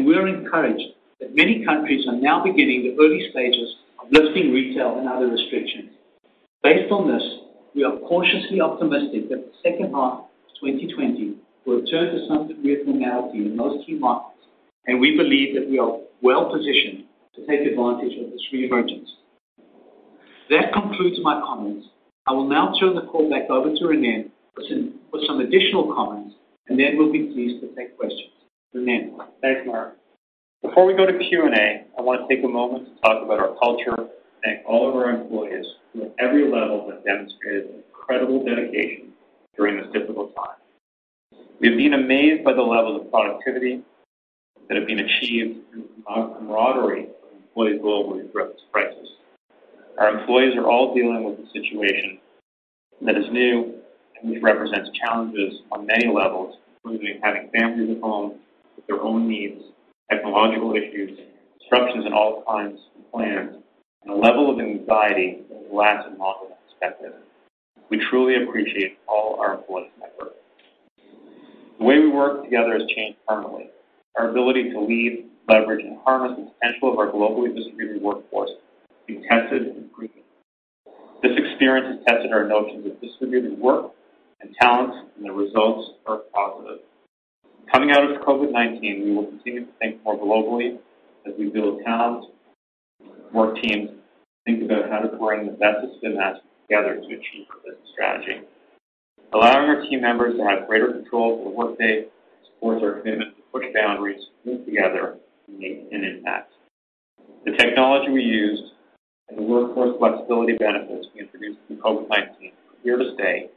we are encouraged that many countries are now beginning the early stages of lifting retail and other restrictions. Based on this, we are cautiously optimistic that the second half of 2020 will return to some degree of normality in most key markets, and we believe that we are well-positioned to take advantage of this re-emergence. That concludes my comments. I will now turn the call back over to Ronnen for some additional comments, and then we'll be pleased to take questions. Ronnen? Thanks, Mark. Before we go to Q&A, I want to take a moment to talk about our culture, thank all of our employees who at every level have demonstrated incredible dedication during this difficult time. We have been amazed by the levels of productivity that have been achieved and the camaraderie of employees globally throughout this crisis. Our employees are all dealing with a situation that is new and which represents challenges on many levels, including having families at home with their own needs, technological issues, disruptions in all kinds of plans, and a level of anxiety that will last long into the future. We truly appreciate all our employees' effort. The way we work together has changed permanently. Our ability to lead, leverage, and harness the potential of our globally distributed workforce has been tested and proven. This experience has tested our notions of distributed work and talent, and the results are positive. Coming out of COVID-19, we will continue to think more globally as we build talent, work teams, and think about how to bring the best of Spin Master together to achieve our business strategy. Allowing our team members to have greater control of their workday supports our commitment to push boundaries and move together and make an impact. The technology we used and the workforce flexibility benefits we introduced through COVID-19 are here to stay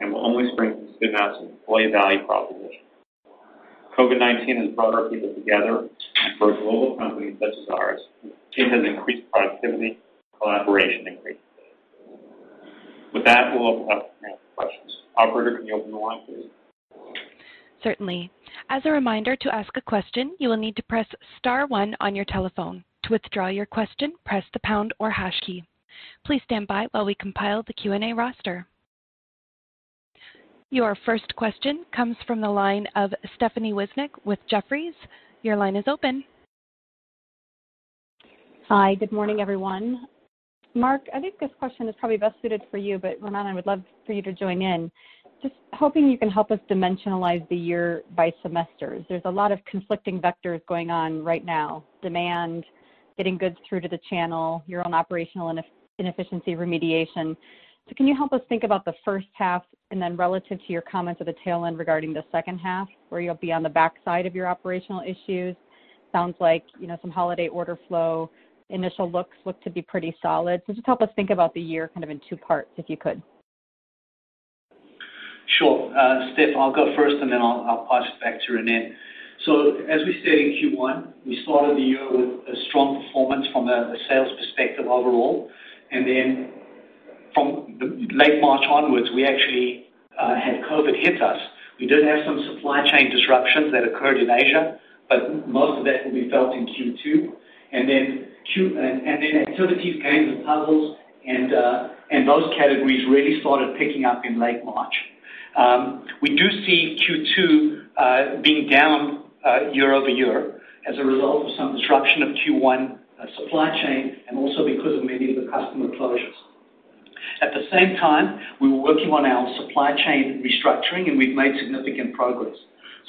and will only strengthen Spin Master's employee value proposition. COVID-19 has brought our people together and, for a global company such as ours, it has increased productivity and collaboration increases. With that, we'll open up the floor for questions. Operator, can you open the line, please? Certainly. As a reminder, to ask a question, you will need to press star one on your telephone. To withdraw your question, press the pound or hash key. Please stand by while we compile the Q&A roster. Your first question comes from the line of Stephanie Wissink with Jefferies. Your line is open. Hi. Good morning, everyone. Mark, I think this question is probably best suited for you, but Ronnen, I would love for you to join in. Just hoping you can help us dimensionalize the year by semesters. There's a lot of conflicting vectors going on right now, demand, getting goods through to the channel, your own operational inefficiency remediation. Can you help us think about the first half and then relative to your comments at the tail end regarding the second half, where you'll be on the backside of your operational issues? Sounds like some holiday order flow initial looks look to be pretty solid. Just help us think about the year kind of in two parts, if you could. Sure. Stephanie, I'll go first and then I'll pass it back to Ronnen. As we stated in Q1, we started the year with a strong performance from a sales perspective overall, and then from late March onwards, we actually had COVID hit us. We did have some supply chain disruptions that occurred in Asia, but most of that will be felt in Q2. Activities, Games & Puzzles and those categories really started picking up in late March. We do see Q2 being down year-over-year as a result of some disruption of Q1 supply chain and also because of many of the customer closures. At the same time, we were working on our supply chain restructuring, and we've made significant progress.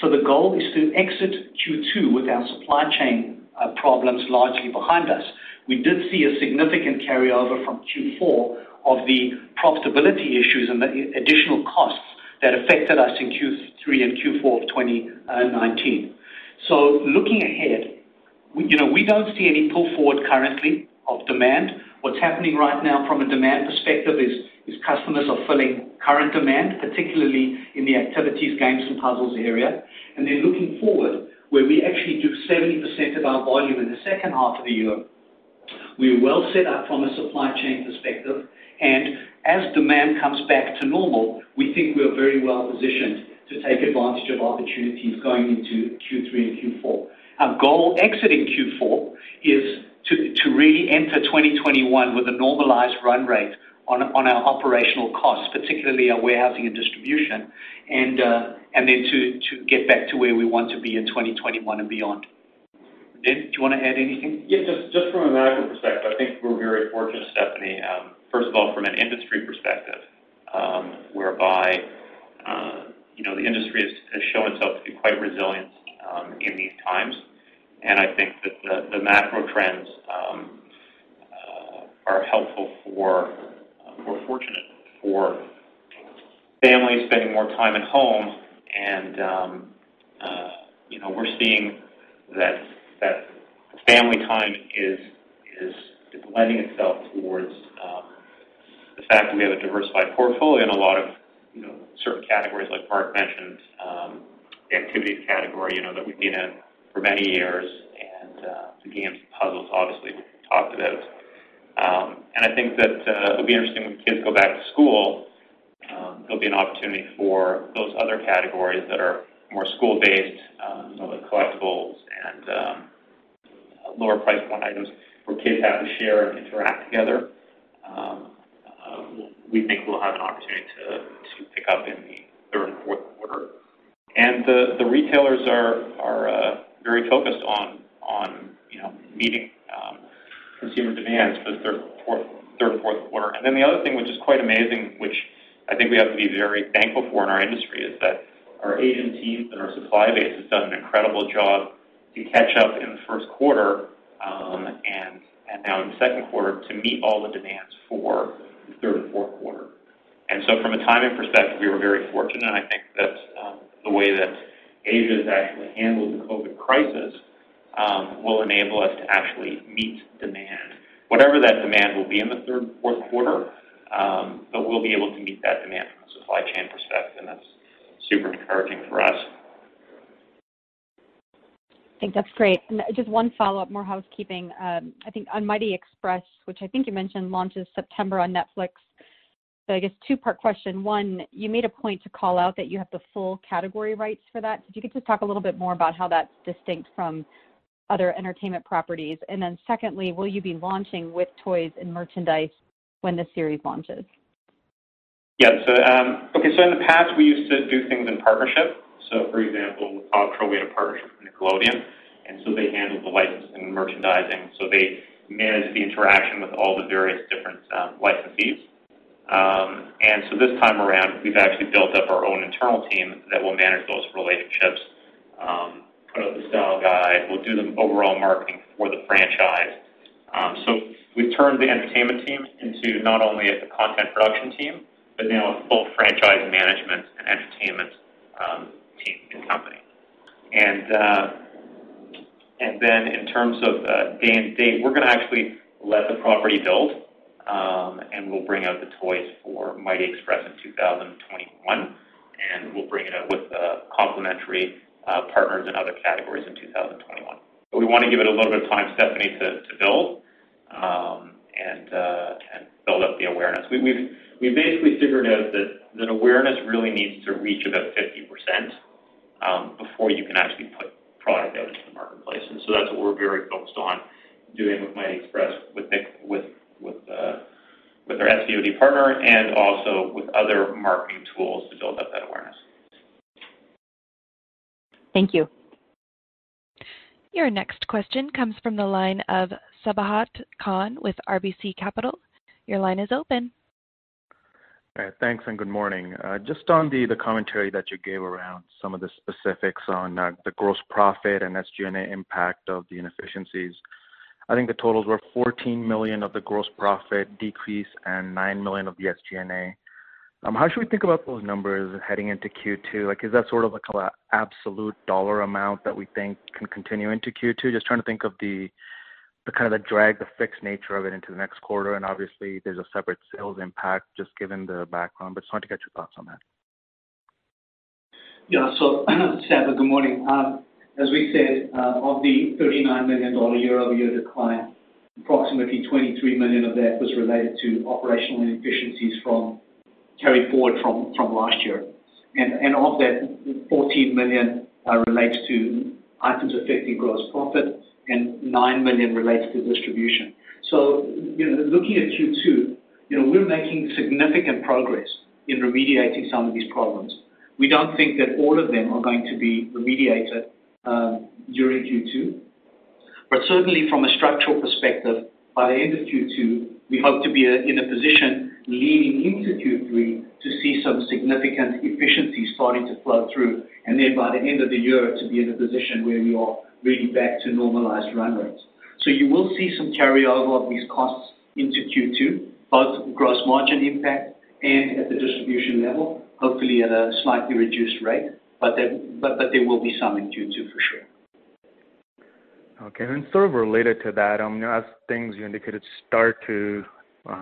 The goal is to exit Q2 with our supply chain problems largely behind us. We did see a significant carryover from Q4 of the profitability issues and the additional costs that affected us in Q3 and Q4 of 2019. Looking ahead, we don't see any pull forward currently of demand. What's happening right now from a demand perspective is customers are filling current demand, particularly in the activities, games, and puzzles area. Looking forward, where we actually do 70% of our volume in the second half of the year, we are well set up from a supply chain perspective, and as demand comes back to normal, we think we are very well positioned to take advantage of opportunities going into Q3 and Q4. Our goal exiting Q4 is to really enter 2021 with a normalized run rate on our operational costs, particularly our warehousing and distribution, and then to get back to where we want to be in 2021 and beyond. Ronnen, do you want to add anything? Yeah, just from a macro perspective, I think we're very fortunate, Stephanie, first of all, from an industry perspective, whereby the industry has shown itself to be quite resilient in these times. I think that the macro trends are helpful for, or fortunate for families spending more time at home. We're seeing that family time is lending itself towards the fact that we have a diversified portfolio in a lot of certain categories like Mark mentioned, the activities category that we've been in for many years, the games and puzzles obviously we talked about. I think that it'll be interesting when kids go back to school, there'll be an opportunity for those other categories that are more school-based, like collectibles and lower price point items where kids have to share and interact together. We think we'll have an opportunity to pick up in the third and fourth quarter. The retailers are very focused on meeting consumer demands for the third and fourth quarter. The other thing, which is quite amazing, which I think we have to be very thankful for in our industry, is that our Asian teams and our supply base has done an incredible job to catch up in the first quarter, and now in the second quarter to meet all the demands for the third and fourth quarter. From a timing perspective, we were very fortunate, and I think that the way that Asia has actually handled the COVID-19 crisis will enable us to actually meet demand, whatever that demand will be in the third and fourth quarter, but we'll be able to meet that demand from a supply chain perspective, and that's super encouraging for us. I think that's great. Just one follow-up, more housekeeping. I think on Mighty Express, which I think you mentioned launches September on Netflix. I guess two-part question. One, you made a point to call out that you have the full category rights for that. Could you just talk a little bit more about how that's distinct from other entertainment properties? Secondly, will you be launching with toys and merchandise when the series launches? Yeah. Okay, in the past, we used to do things in partnership. For example, with PAW Patrol, we had a partnership with Nickelodeon, they handled the licensing and merchandising. They managed the interaction with all the various different licensees. This time around, we've actually built up our own internal team that will manage those relationships, put out the style guide, we'll do the overall marketing for the franchise. We've turned the entertainment team into not only as a content production team, but now a full franchise management and entertainment team and company. In terms of day and date, we're going to actually let the property build, we'll bring out the toys for Mighty Express in 2021, we'll bring it out with complementary partners in other categories in 2021. We want to give it a little bit of time, Stephanie, to build up the awareness. We've basically figured out that awareness really needs to reach about 50% before you can actually put product out into the marketplace. That's what we're very focused on doing with Mighty Express with our SVOD partner and also with other marketing tools to build up that awareness. Thank you. Your next question comes from the line of Sabahat Khan with RBC Capital. Your line is open. All right. Thanks. Good morning. Just on the commentary that you gave around some of the specifics on the gross profit and SG&A impact of the inefficiencies. I think the totals were $14 million of the gross profit decrease and $9 million of the SG&A. How should we think about those numbers heading into Q2? Is that sort of absolute dollar amount that we think can continue into Q2? Just trying to think of the kind of the drag, the fixed nature of it into the next quarter. Obviously, there's a separate sales impact just given the background. Just wanted to get your thoughts on that. Yeah. Sabahat, good morning. As we said, of the $39 million year-over-year decline, approximately $23 million of that was related to operational inefficiencies from carry forward from last year. Of that, $14 million relates to items affecting gross profit and $9 million relates to distribution. Looking at Q2, we're making significant progress in remediating some of these problems. We don't think that all of them are going to be remediated during Q2. Certainly, from a structural perspective, by the end of Q2, we hope to be in a position leading into Q3 to see some significant efficiency starting to flow through, by the end of the year, to be in a position where we are really back to normalized run rates. You will see some carryover of these costs into Q2, both gross margin impact and at the distribution level, hopefully at a slightly reduced rate, but there will be some in Q2 for sure. Okay. Sort of related to that, as things you indicated start to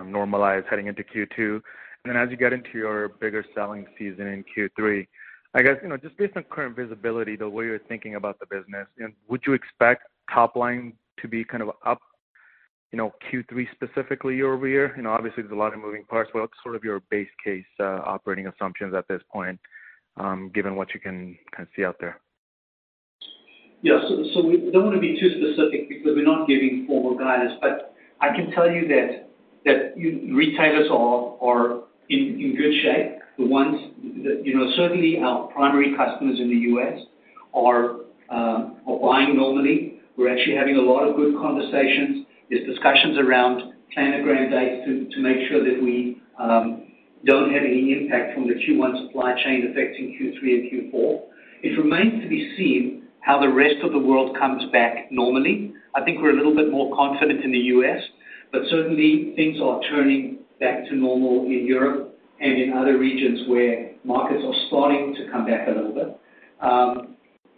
normalize heading into Q2, and then as you get into your bigger selling season in Q3, I guess, just based on current visibility, the way you're thinking about the business, would you expect top line to be kind of up Q3 specifically year-over-year? Obviously, there's a lot of moving parts, but what's sort of your base case operating assumptions at this point given what you can kind of see out there? Yeah. We don't want to be too specific because we're not giving formal guidance, but I can tell you that retailers are in good shape. Certainly, our primary customers in the U.S. are buying normally. We're actually having a lot of good conversations. There's discussions around planogram dates to make sure that we don't have any impact from the Q1 supply chain affecting Q3 and Q4. It remains to be seen how the rest of the world comes back normally. I think we're a little bit more confident in the U.S., but certainly things are turning back to normal in Europe and in other regions where markets are starting to come back a little bit.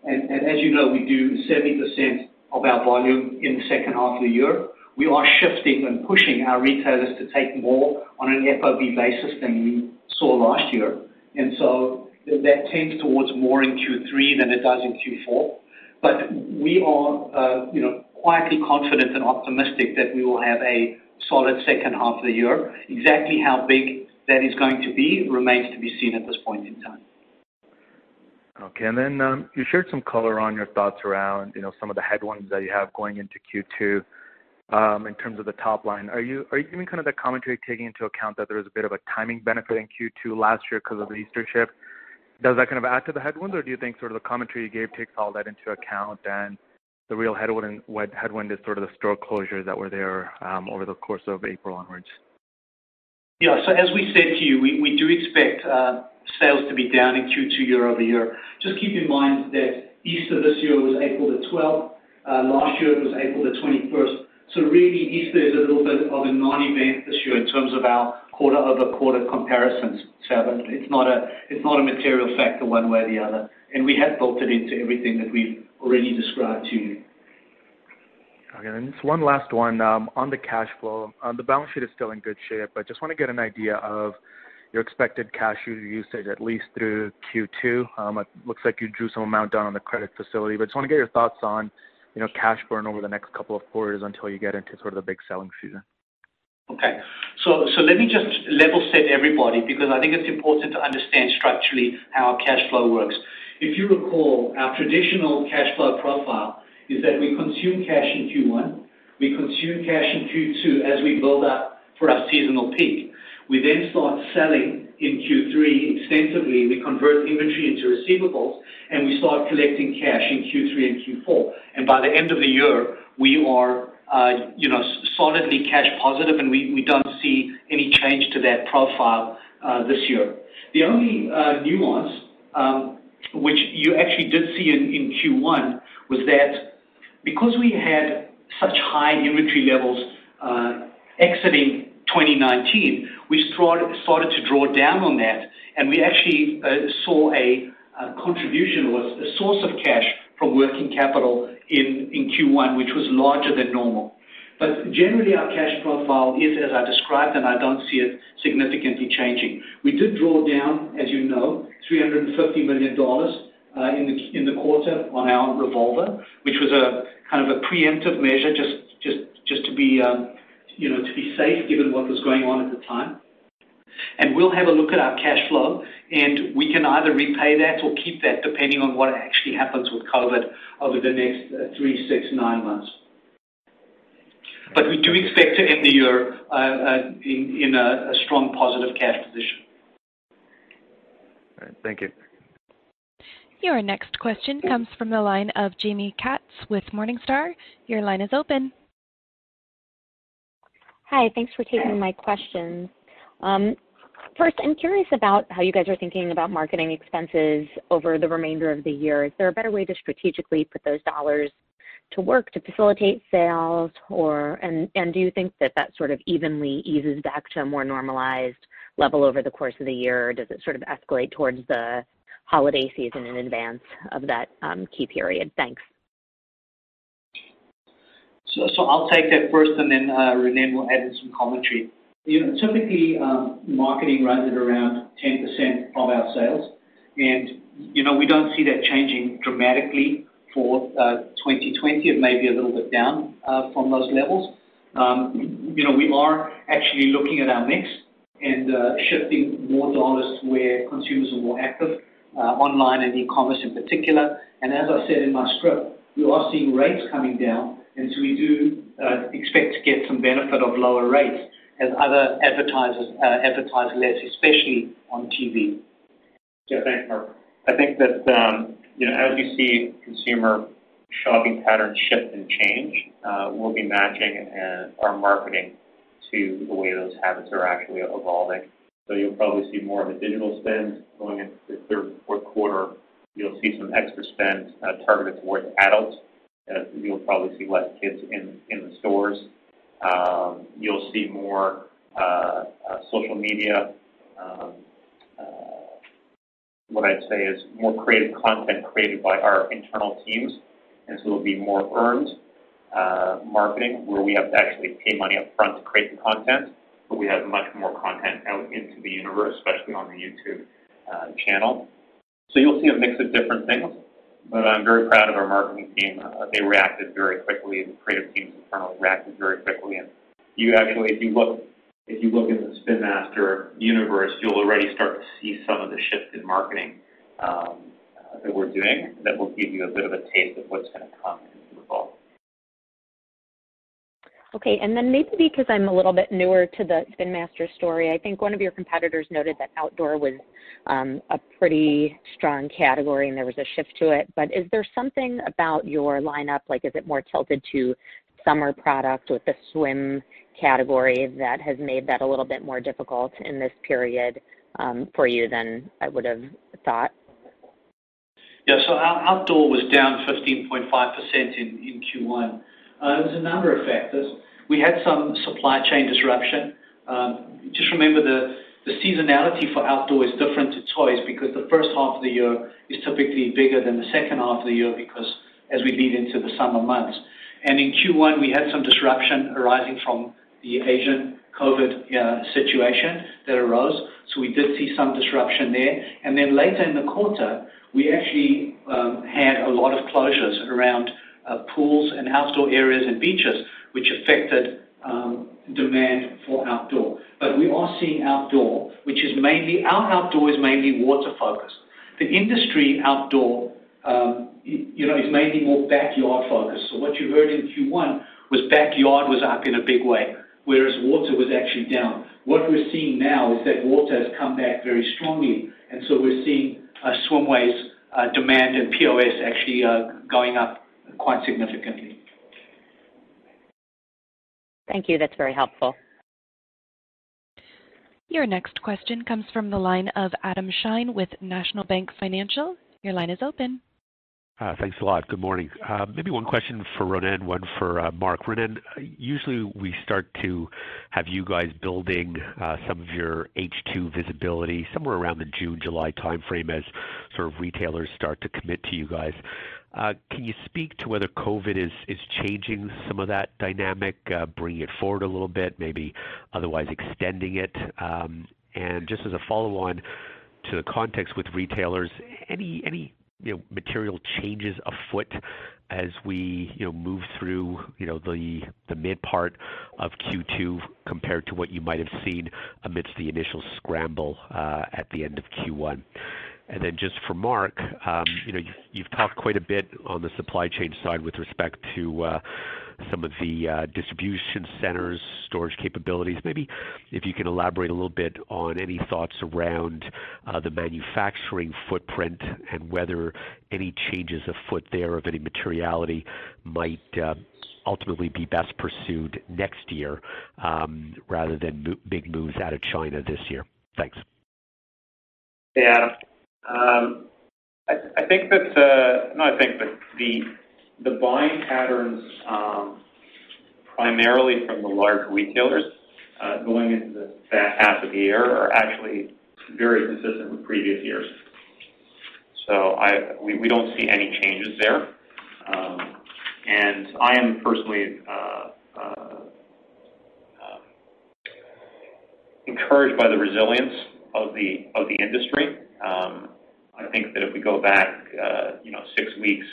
As you know, we do 70% of our volume in the second half of the year. We are shifting and pushing our retailers to take more on an FOB basis than we saw last year. That tends towards more in Q3 than it does in Q4. We are quietly confident and optimistic that we will have a solid second half of the year. Exactly how big that is going to be remains to be seen at this point in time. Okay, you shared some color on your thoughts around some of the headwinds that you have going into Q2, in terms of the top line. Are you doing the commentary taking into account that there was a bit of a timing benefit in Q2 last year because of the Easter shift? Does that add to the headwinds or do you think the commentary you gave takes all that into account and the real headwind is the store closures that were there over the course of April onwards? As we said to you, we do expect sales to be down in Q2 year-over-year. Just keep in mind that Easter this year was April the 12th. Last year it was April the 21st. Really Easter is a little bit of a non-event this year in terms of our quarter-over-quarter comparisons. It's not a material factor one way or the other. We have built it into everything that we've already described to you. Okay. Just one last one. On the cash flow, the balance sheet is still in good shape, I just want to get an idea of your expected cash usage, at least through Q2. It looks like you drew some amount down on the credit facility, just want to get your thoughts on cash burn over the next couple of quarters until you get into the big selling season. Let me just level set everybody because I think it's important to understand structurally how our cash flow works. If you recall, our traditional cash flow profile is that we consume cash in Q1, we consume cash in Q2 as we build up for our seasonal peak. We then start selling in Q3 extensively. We convert inventory into receivables, and we start collecting cash in Q3 and Q4. By the end of the year, we are solidly cash positive and we don't see any change to that profile this year. The only nuance, which you actually did see in Q1, was that because we had such high inventory levels exiting 2019, we started to draw down on that, and we actually saw a contribution or a source of cash from working capital in Q1, which was larger than normal. Generally, our cash profile is as I described, and I don't see it significantly changing. We did draw down, as you know, $350 million in the quarter on our revolver, which was a preemptive measure just to be safe given what was going on at the time. We'll have a look at our cash flow, and we can either repay that or keep that depending on what actually happens with COVID-19 over the next three, six, nine months. We do expect to end the year in a strong positive cash position. All right. Thank you. Your next question comes from the line of Jaime Katz with Morningstar. Your line is open. Hi. Thanks for taking my questions. First, I'm curious about how you guys are thinking about marketing expenses over the remainder of the year. Is there a better way to strategically put those dollars to work to facilitate sales, and do you think that sort of evenly eases back to a more normalized level over the course of the year, or does it sort of escalate towards the holiday season in advance of that key period? Thanks. I'll take that first and then Ronnen will add in some commentary. Typically, marketing runs at around 10% of our sales, and we don't see that changing dramatically for 2020. It may be a little bit down from those levels. We are actually looking at our mix and shifting more dollars where consumers are more active, online and e-commerce in particular. As I said in my script, we are seeing rates coming down, and so we do expect to get some benefit of lower rates as other advertisers advertise less, especially on TV. Thanks, Mark. I think that as we see consumer shopping patterns shift and change, we'll be matching our marketing to the way those habits are actually evolving. You'll probably see more of a digital spend going into the third and fourth quarter. You'll see some extra spend targeted towards adults as you'll probably see less kids in the stores. You'll see more social media. What I'd say is more creative content created by our internal teams, and so it'll be more earned marketing where we have to actually pay money upfront to create the content, but we have much more content out into the universe, especially on the YouTube channel. You'll see a mix of different things, but I'm very proud of our marketing team. They reacted very quickly, the creative teams internal reacted very quickly, and you actually, if you look in the Spin Master universe, you'll already start to see some of the shift in marketing that we're doing that will give you a bit of a taste of what's going to come as we evolve. Okay, maybe because I'm a little bit newer to the Spin Master story, I think one of your competitors noted that Outdoor was a pretty strong category and there was a shift to it. Is there something about your lineup, like is it more tilted to summer product with the swim category that has made that a little bit more difficult in this period for you than I would've thought? Our Outdoor was down 15.5% in Q1. It was a number of factors. We had some supply chain disruption. Just remember, the seasonality for Outdoor is different to toys because the first half of the year is typically bigger than the second half of the year because as we lead into the summer months. In Q1, we had some disruption arising from the Asian COVID situation that arose. We did see some disruption there. Later in the quarter, we actually had a lot of closures around pools and outdoor areas and beaches, which affected demand for Outdoor. We are seeing Outdoor. Our Outdoor is mainly water-focused. The industry Outdoor is mainly more backyard-focused. What you heard in Q1 was backyard was up in a big way, whereas water was actually down. What we're seeing now is that water has come back very strongly, and so we're seeing Swimways demand and POS actually going up quite significantly. Thank you. That's very helpful. Your next question comes from the line of Adam Shine with National Bank Financial. Your line is open. Thanks a lot. Good morning. Maybe one question for Ronnen, one for Mark. Ronnen, usually we start to have you guys building some of your H2 visibility somewhere around the June, July timeframe as retailers start to commit to you guys. Can you speak to whether COVID-19 is changing some of that dynamic, bringing it forward a little bit, maybe otherwise extending it? Just as a follow-on to the context with retailers, any material changes afoot as we move through the mid part of Q2 compared to what you might have seen amidst the initial scramble at the end of Q1? Just for Mark Segal, you've talked quite a bit on the supply chain side with respect to some of the distribution centers, storage capabilities. Maybe if you can elaborate a little bit on any thoughts around the manufacturing footprint and whether any changes afoot there of any materiality might ultimately be best pursued next year rather than big moves out of China this year? Thanks. Adam. I think that the buying patterns primarily from the large retailers going into the back half of the year are actually very consistent with previous years. We don't see any changes there. I am personally encouraged by the resilience of the industry. I think that if we go back six weeks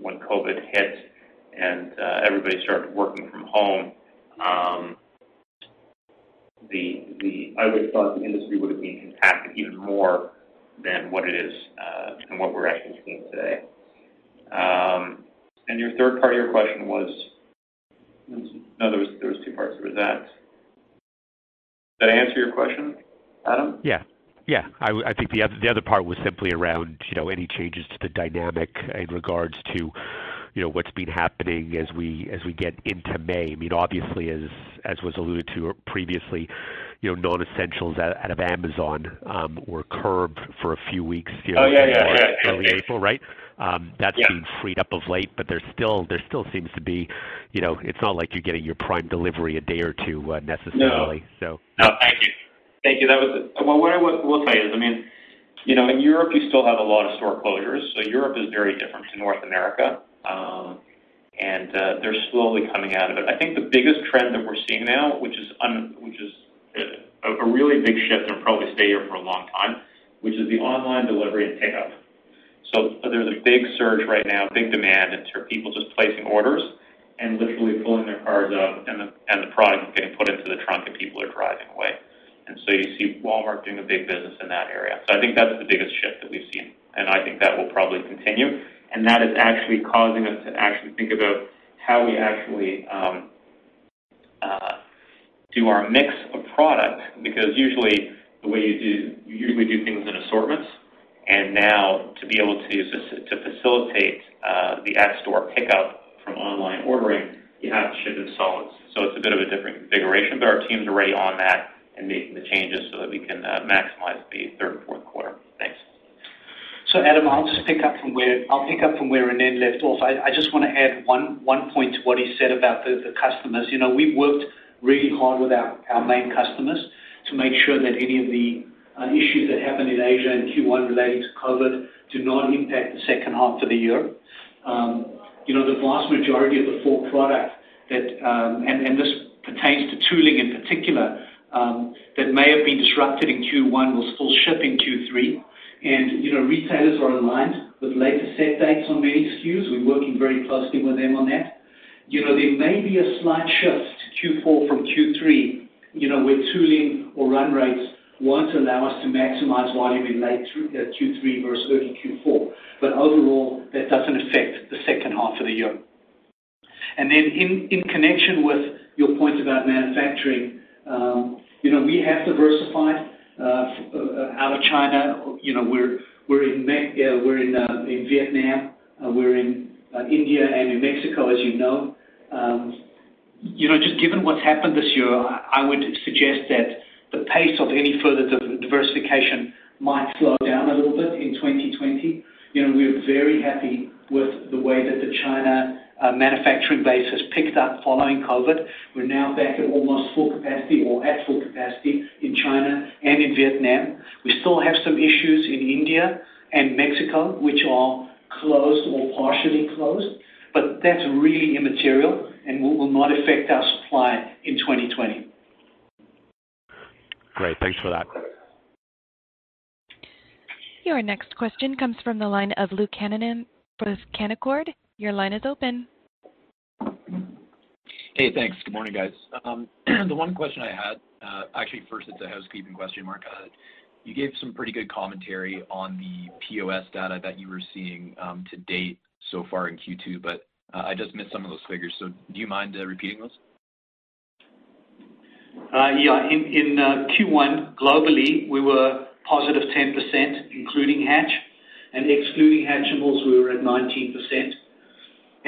when COVID hit and everybody started working from home, I would have thought the industry would have been impacted even more than what it is, than what we're actually seeing today. Your third part of your question was? No, there was two parts. There was that. Did I answer your question, Adam? Yeah. I think the other part was simply around any changes to the dynamic in regards to what's been happening as we get into May. Obviously, as was alluded to previously, non-essentials out of Amazon were curbed for a few weeks there. Oh, yeah. Early April, right? Yeah. That's been freed up of late, but there still seems to be, it's not like you're getting your Prime delivery a day or two necessarily. No. Thank you. What I will tell you is, in Europe you still have a lot of store closures. Europe is very different to North America. They're slowly coming out of it. I think the biggest trend that we're seeing now, which is a really big shift and will probably stay here for a long time, which is the online delivery and pickup. There's a big surge right now, big demand. It's for people just placing orders and literally pulling their cars up and the product is getting put into the trunk and people are driving away. You see Walmart doing a big business in that area. I think that's the biggest shift that we've seen, and I think that will probably continue, and that is actually causing us to actually think about how we actually do our mix of product. Usually, you do things in assortments, and now to be able to facilitate the at store pickup from online ordering, you have to ship in solids. It's a bit of a different configuration, but our team's already on that and making the changes so that we can maximize the third and fourth quarter. Thanks. Adam, I'll pick up from where Ronnen left off. I just want to add one point to what he said about the customers. We've worked really hard with our main customers to make sure that any of the issues that happened in Asia in Q1 relating to COVID do not impact the second half of the year. The vast majority of the full product, and this pertains to tooling in particular, that may have been disrupted in Q1 was full ship in Q3. Retailers are aligned with later set dates on many SKUs. We're working very closely with them on that. There may be a slight shift Q4 from Q3, where tooling or run rates won't allow us to maximize volume in late Q3 versus early Q4. Overall, that doesn't affect the second half of the year. In connection with your point about manufacturing, we have diversified out of China. We're in Vietnam, we're in India, and in Mexico, as you know. Just given what's happened this year, I would suggest that the pace of any further diversification might slow down a little bit in 2020. We're very happy with the way that the China manufacturing base has picked up following COVID. We're now back at almost full capacity or at full capacity in China and in Vietnam. We still have some issues in India and Mexico, which are closed or partially closed, but that's really immaterial and will not affect our supply in 2020. Great. Thanks for that. Your next question comes from the line of Luke Donovan with Canaccord. Your line is open. Hey, thanks. Good morning, guys. The one question I had, actually first it's a housekeeping question, Mark. You gave some pretty good commentary on the POS data that you were seeing to date so far in Q2, but I just missed some of those figures. Do you mind repeating those? Yeah. In Q1, globally, we were positive 10%, including hatch and excluding Hatchimals, we were at 19%.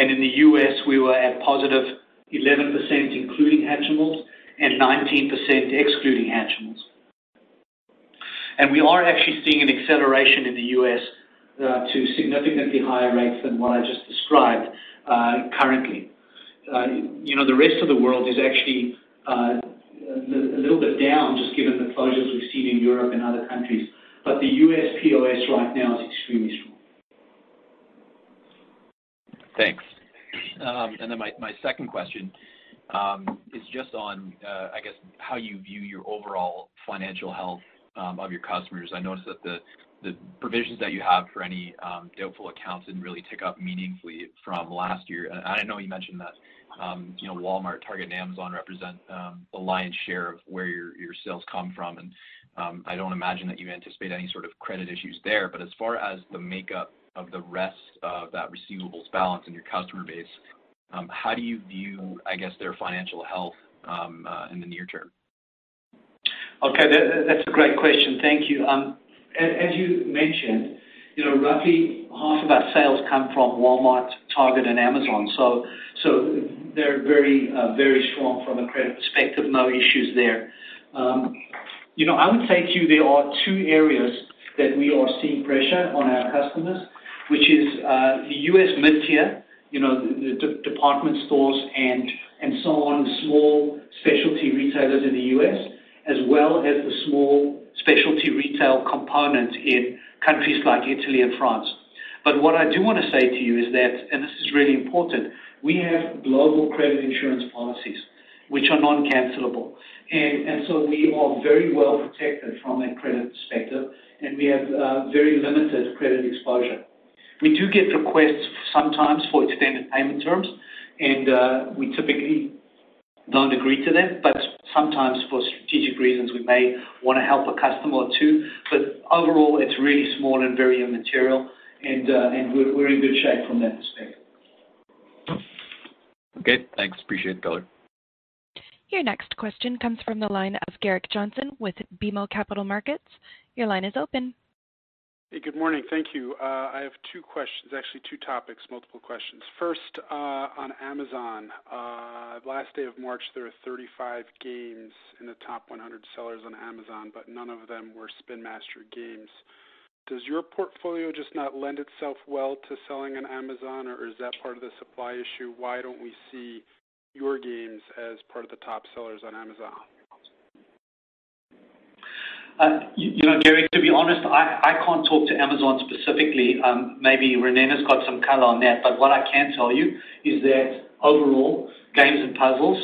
In the U.S., we were at positive 11%, including Hatchimals and 19% excluding Hatchimals. We are actually seeing an acceleration in the U.S. to significantly higher rates than what I just described currently. The rest of the world is actually a little bit down, just given the closures we've seen in Europe and other countries. The U.S. POS right now is extremely strong. Thanks. My second question, is just on, I guess, how you view your overall financial health of your customers. I noticed that the provisions that you have for any doubtful accounts didn't really tick up meaningfully from last year. I know you mentioned that Walmart, Target, and Amazon represent the lion's share of where your sales come from, and I don't imagine that you anticipate any sort of credit issues there. As far as the makeup of the rest of that receivables balance in your customer base, how do you view, I guess, their financial health in the near term? Okay. That's a great question. Thank you. As you mentioned, roughly half of our sales come from Walmart, Target, and Amazon. They're very strong from a credit perspective, no issues there. I would say to you, there are two areas that we are seeing pressure on our customers, which is the U.S. mid-tier, the department stores and so on, small specialty retailers in the U.S., as well as the small specialty retail component in countries like Italy and France. What I do want to say to you is that, and this is really important, we have global credit insurance policies which are non-cancelable. We are very well protected from a credit perspective, and we have very limited credit exposure. We do get requests sometimes for extended payment terms, and we typically don't agree to that, but sometimes for strategic reasons, we may want to help a customer or two. Overall, it's really small and very immaterial, and we're in good shape from that perspective. Okay, thanks. Appreciate the color. Your next question comes from the line of Gerrick Johnson with BMO Capital Markets. Your line is open. Hey, good morning. Thank you. I have two questions, actually, two topics, multiple questions. First, on Amazon. Last day of March, there were 35 games in the top 100 sellers on Amazon, but none of them were Spin Master games. Does your portfolio just not lend itself well to selling on Amazon, or is that part of the supply issue? Why don't we see your games as part of the top sellers on Amazon? Gerrick, to be honest, I can't talk to Amazon specifically. Maybe Ronnen's got some color on that. What I can tell you is that overall, games and puzzles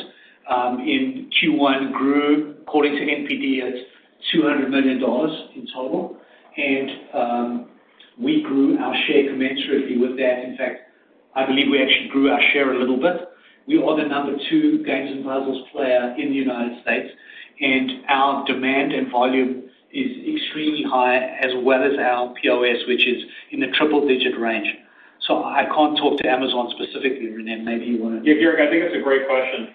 in Q1 grew according to NPD at $200 million in total. We grew our share commensurately with that. In fact, I believe we actually grew our share a little bit. We are the number two games and puzzles player in the U.S., and our demand and volume is extremely high, as well as our POS, which is in the triple-digit range. I can't talk to Amazon specifically. Ronnen, maybe you want to Yeah, Gerrick, I think that's a great question.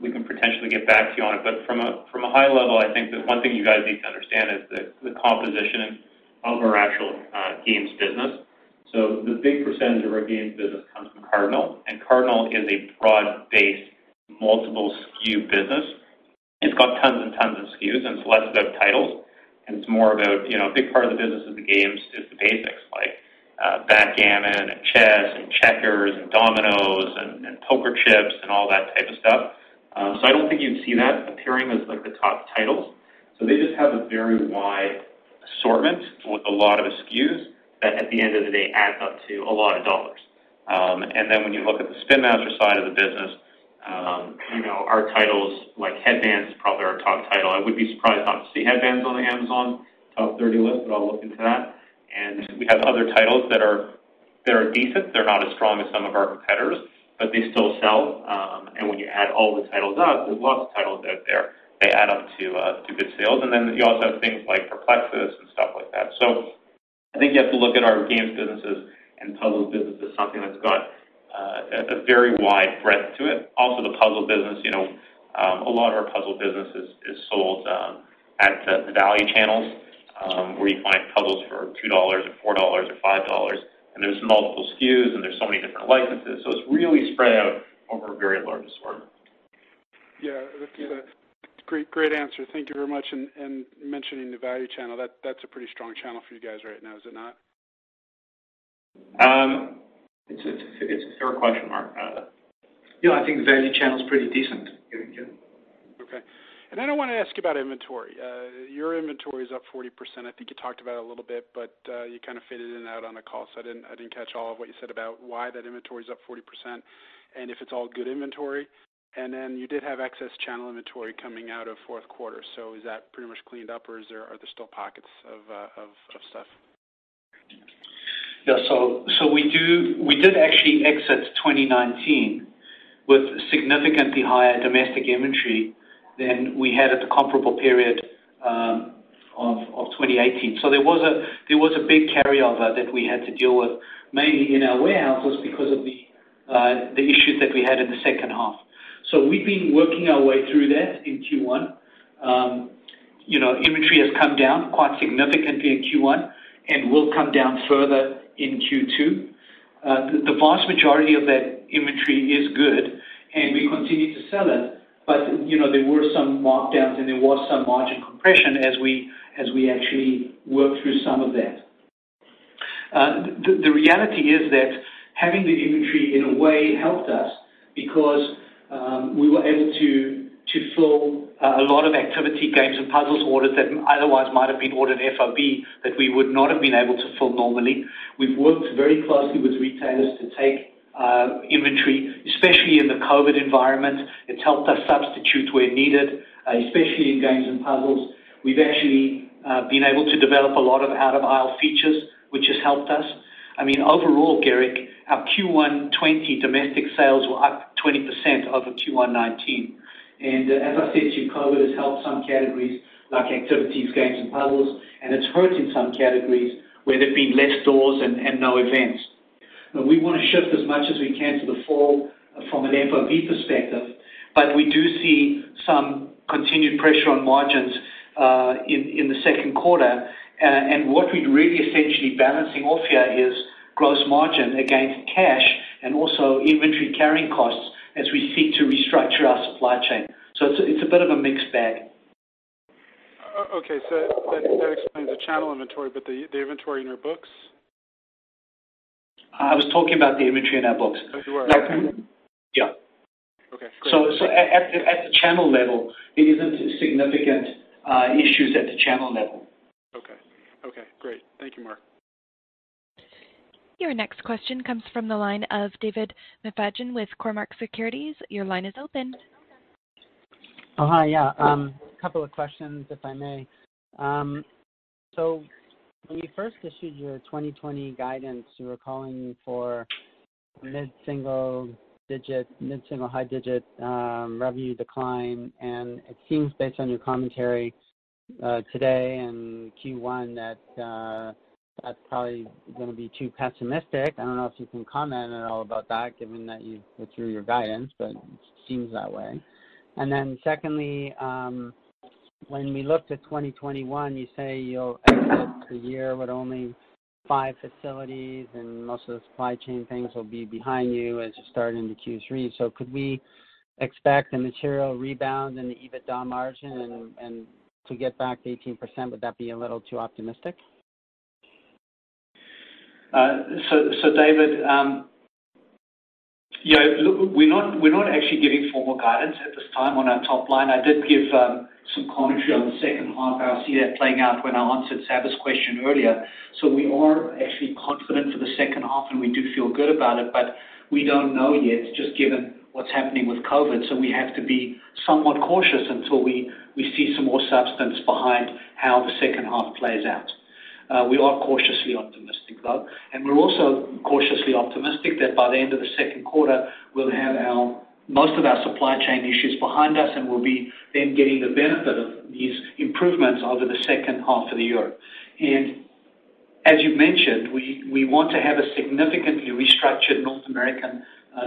We can potentially get back to you on it. From a high level, I think that one thing you guys need to understand is that the composition of our actual games business. The big percentage of our games business comes from Cardinal. Cardinal is a broad-based, multiple SKU business. It's got tons and tons of SKUs. It's less about titles. It's more about a big part of the business of the games is the basics like backgammon and chess and checkers and dominoes and poker chips and all that type of stuff. I don't think you'd see that appearing as the top titles. They just have a very wide assortment with a lot of SKUs that at the end of the day adds up to a lot of dollars. When you look at the Spin Master side of the business, our titles like Hedbanz is probably our top title. I would be surprised not to see Hedbanz on the Amazon top 30 list, but I'll look into that. We have other titles that are decent. They're not as strong as some of our competitors, but they still sell. When you add all the titles up, there's lots of titles out there. They add up to good sales. You also have things like Perplexus and stuff like that. I think you have to look at our games businesses and puzzle business as something that's got a very wide breadth to it. The puzzle business, a lot of our puzzle business is sold at the value channels, where you find puzzles for $2 or $4 or $5, and there's multiple SKUs, and there's so many different licenses. It's really spread out over a very large assortment. Yeah, that's a great answer. Thank you very much. Mentioning the value channel, that's a pretty strong channel for you guys right now, is it not? It's a fair question, Mark. Yeah, I think the value channel is pretty decent, Gerrick. Okay. Then I want to ask you about inventory. Your inventory is up 40%. I think you talked about it a little bit, but you kind of faded in and out on the call, so I didn't catch all of what you said about why that inventory is up 40%, and if it's all good inventory. Then you did have excess channel inventory coming out of fourth quarter. Is that pretty much cleaned up, or are there still pockets of stuff? Yeah. We did actually exit 2019 with significantly higher domestic inventory than we had at the comparable period of 2018. There was a big carryover that we had to deal with, mainly in our warehouses because of the issues that we had in the second half. We've been working our way through that in Q1. Inventory has come down quite significantly in Q1 and will come down further in Q2. The vast majority of that inventory is good, and we continue to sell it. There were some markdowns, and there was some margin compression as we actually work through some of that. The reality is that having the inventory, in a way, helped us because we were able to fill a lot of activity games and puzzles orders that otherwise might have been ordered FOB that we would not have been able to fill normally. We've worked very closely with retailers to take inventory, especially in the COVID-19 environment. It's helped us substitute where needed, especially in games and puzzles. We've actually been able to develop a lot of out-of-aisle features, which has helped us. I mean, overall, Gerrick, our Q1 2020 domestic sales were up 20% over Q1 2019. As I said to you, COVID-19 has helped some categories like activities, games, and puzzles, and it's hurt in some categories where there've been less stores and no events. We want to shift as much as we can to the fall from an FOB perspective, we do see some continued pressure on margins in the second quarter. What we're really essentially balancing off here is gross margin against cash and also inventory carrying costs as we seek to restructure our supply chain. It's a bit of a mixed bag. Okay. That explains the channel inventory, but the inventory in your books? I was talking about the inventory in our books. Oh, you were. Yeah. Okay, great. At the channel level, it isn't significant issues at the channel level. Okay. Great. Thank you, Mark. Your next question comes from the line of David McFadgen with Cormark Securities. Your line is open. Oh, hi. Yeah. A couple of questions, if I may. When you first issued your 2020 guidance, you were calling for mid-single-high digit revenue decline, and it seems based on your commentary today and Q1 that that's probably going to be too pessimistic. I don't know if you can comment at all about that, given that you withdrew your guidance, but it seems that way. Secondly, when we looked at 2021, you say you'll exit the year with only five facilities and most of the supply chain things will be behind you as you start into Q3. Could we expect a material rebound in the EBITDA margin and to get back to 18%? Would that be a little too optimistic? David, yeah, look, we're not actually giving formal guidance at this time on our top line. I did give some commentary on the second half. I see that playing out when I answered Sabahat's question earlier. We are actually confident for the second half and we do feel good about it, but we don't know yet just given what's happening with COVID. We have to be somewhat cautious until we see some more substance behind how the second half plays out. We are cautiously optimistic, though, and we're also cautiously optimistic that by the end of the second quarter, we'll have most of our supply chain issues behind us and we'll be then getting the benefit of these improvements over the second half of the year. As you mentioned, we want to have a significantly restructured North American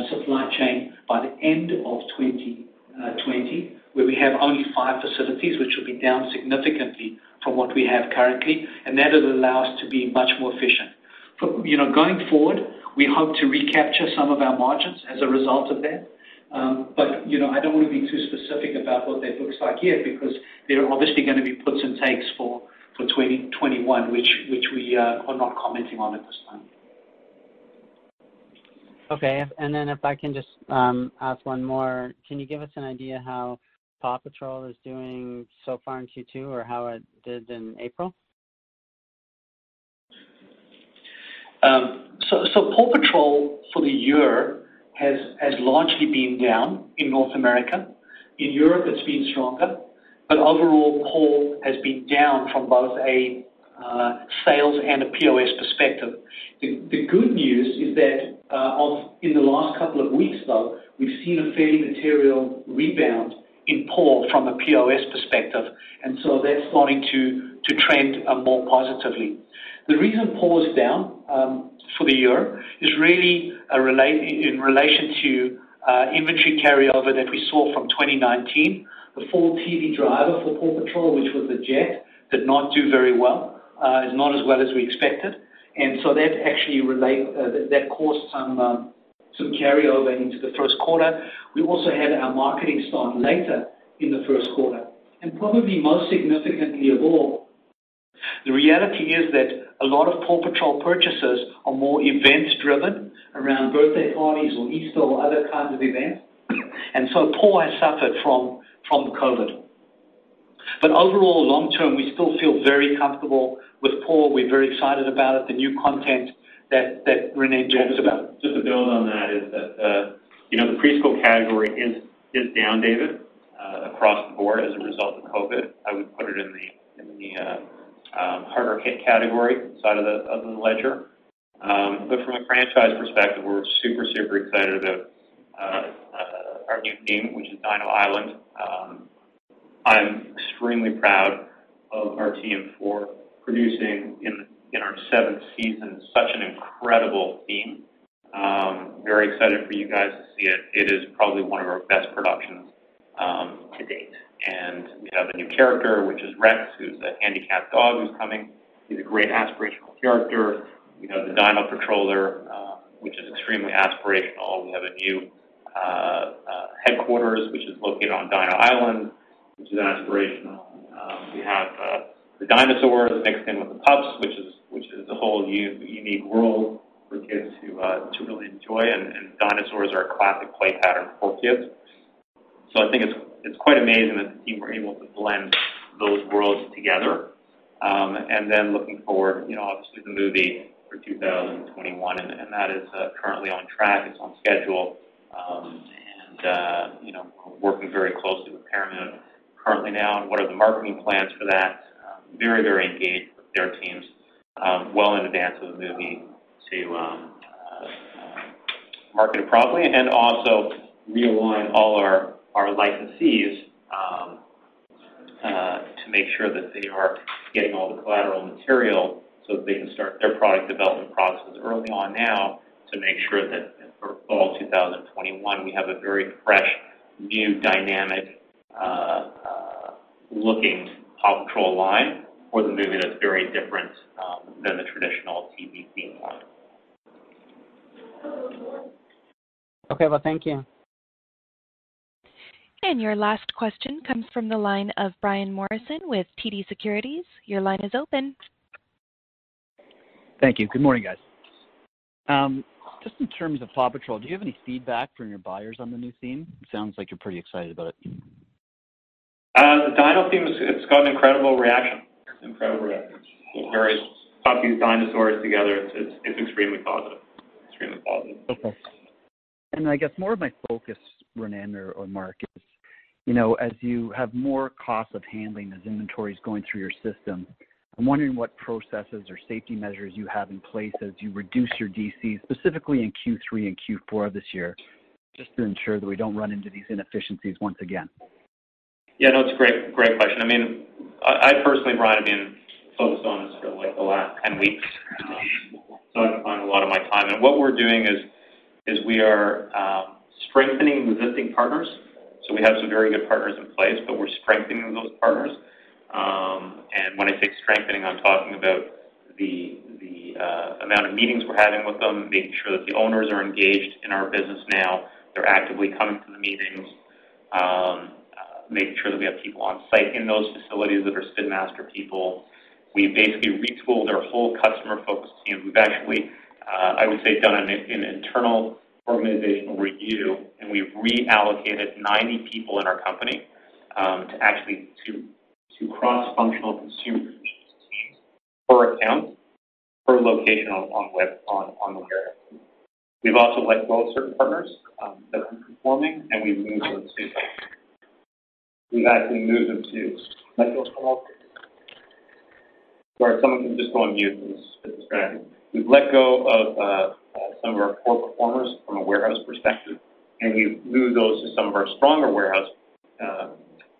supply chain by the end of 2020, where we have only five facilities, which will be down significantly from what we have currently, and that will allow us to be much more efficient. Going forward, we hope to recapture some of our margins as a result of that. I don't want to be too specific about what that looks like yet because there are obviously going to be puts and takes for 2021, which we are not commenting on at this time. Okay. If I can just ask one more, can you give us an idea how PAW Patrol is doing so far in Q2 or how it did in April? PAW Patrol for the year has largely been down in North America. In Europe, it's been stronger. Overall, PAW has been down from both a sales and a POS perspective. The good news is that in the last couple of weeks, though, we've seen a fairly material rebound in PAW from a POS perspective, that's starting to trend more positively. The reason PAW is down for the year is really in relation to inventory carryover that we saw from 2019. The full TV driver for PAW Patrol, which was a jet, did not do very well, not as well as we expected. That caused some carryover into the first quarter. We also had our marketing start later in the first quarter. Probably most significantly of all. The reality is that a lot of PAW Patrol purchases are more event-driven around birthday parties or Easter or other kinds of events. PAW has suffered from COVID. Overall, long-term, we still feel very comfortable with PAW. We're very excited about it, the new content that Ronnen talked about. Just to build on that is that the preschool category is down, David, across the board as a result of COVID-19. I would put it in the harder hit category side of the ledger. From a franchise perspective, we're super excited of our new theme, which is Dino Island. I'm extremely proud of our team for producing, in our seventh season, such an incredible theme. Very excited for you guys to see it. It is probably one of our best productions to date. We have a new character, which is Rex, who's a handicapped dog who's coming. He's a great aspirational character. We have the Dino Patroller, which is extremely aspirational. We have a new headquarters, which is located on Dino Island, which is aspirational. We have the dinosaurs mixed in with the pups, which is a whole unique world for kids to really enjoy, and dinosaurs are a classic play pattern for kids. I think it's quite amazing that the team were able to blend those worlds together. Looking forward, obviously the movie for 2021, and that is currently on track. It's on schedule. We're working very closely with Paramount currently now on what are the marketing plans for that. Very engaged with their teams well in advance of the movie to market it properly and also realign all our licensees to make sure that they are getting all the collateral material so that they can start their product development processes early on now to make sure that for fall 2021, we have a very fresh, new, dynamic-looking PAW Patrol line for the movie that's very different than the traditional TV theme line. Okay. Well, thank you. Your last question comes from the line of Brian Morrison with TD Securities. Your line is open. Thank you. Good morning, guys. Just in terms of PAW Patrol, do you have any feedback from your buyers on the new theme? It sounds like you're pretty excited about it. The Dino theme, it's got an incredible reaction. It's incredible reactions. Very popular. Putting dinosaurs together, it's extremely positive. Okay. I guess more of my focus, Ronnen or Mark, is as you have more costs of handling as inventory's going through your system, I'm wondering what processes or safety measures you have in place as you reduce your DCs, specifically in Q3 and Q4 of this year, just to ensure that we don't run into these inefficiencies once again? Yeah, no, it's a great question. I personally, Brian, have been focused on this for the last 10 weeks. It's occupied a lot of my time. What we're doing is we are strengthening the existing partners. We have some very good partners in place, but we're strengthening those partners. When I say strengthening, I'm talking about the amount of meetings we're having with them and making sure that the owners are engaged in our business now. They're actively coming to the meetings, making sure that we have people on site in those facilities that are Spin Master people. We basically retooled our whole customer focus team. We've actually, I would say, done an internal organizational review, and we've reallocated 90 people in our company to cross-functional consumer teams per account, per location on the warehouse. We've also let go of certain partners that weren't performing. Can someone just go on mute please? Because it's crackling. We've let go of some of our poor performers from a warehouse perspective, and we've moved those to some of our stronger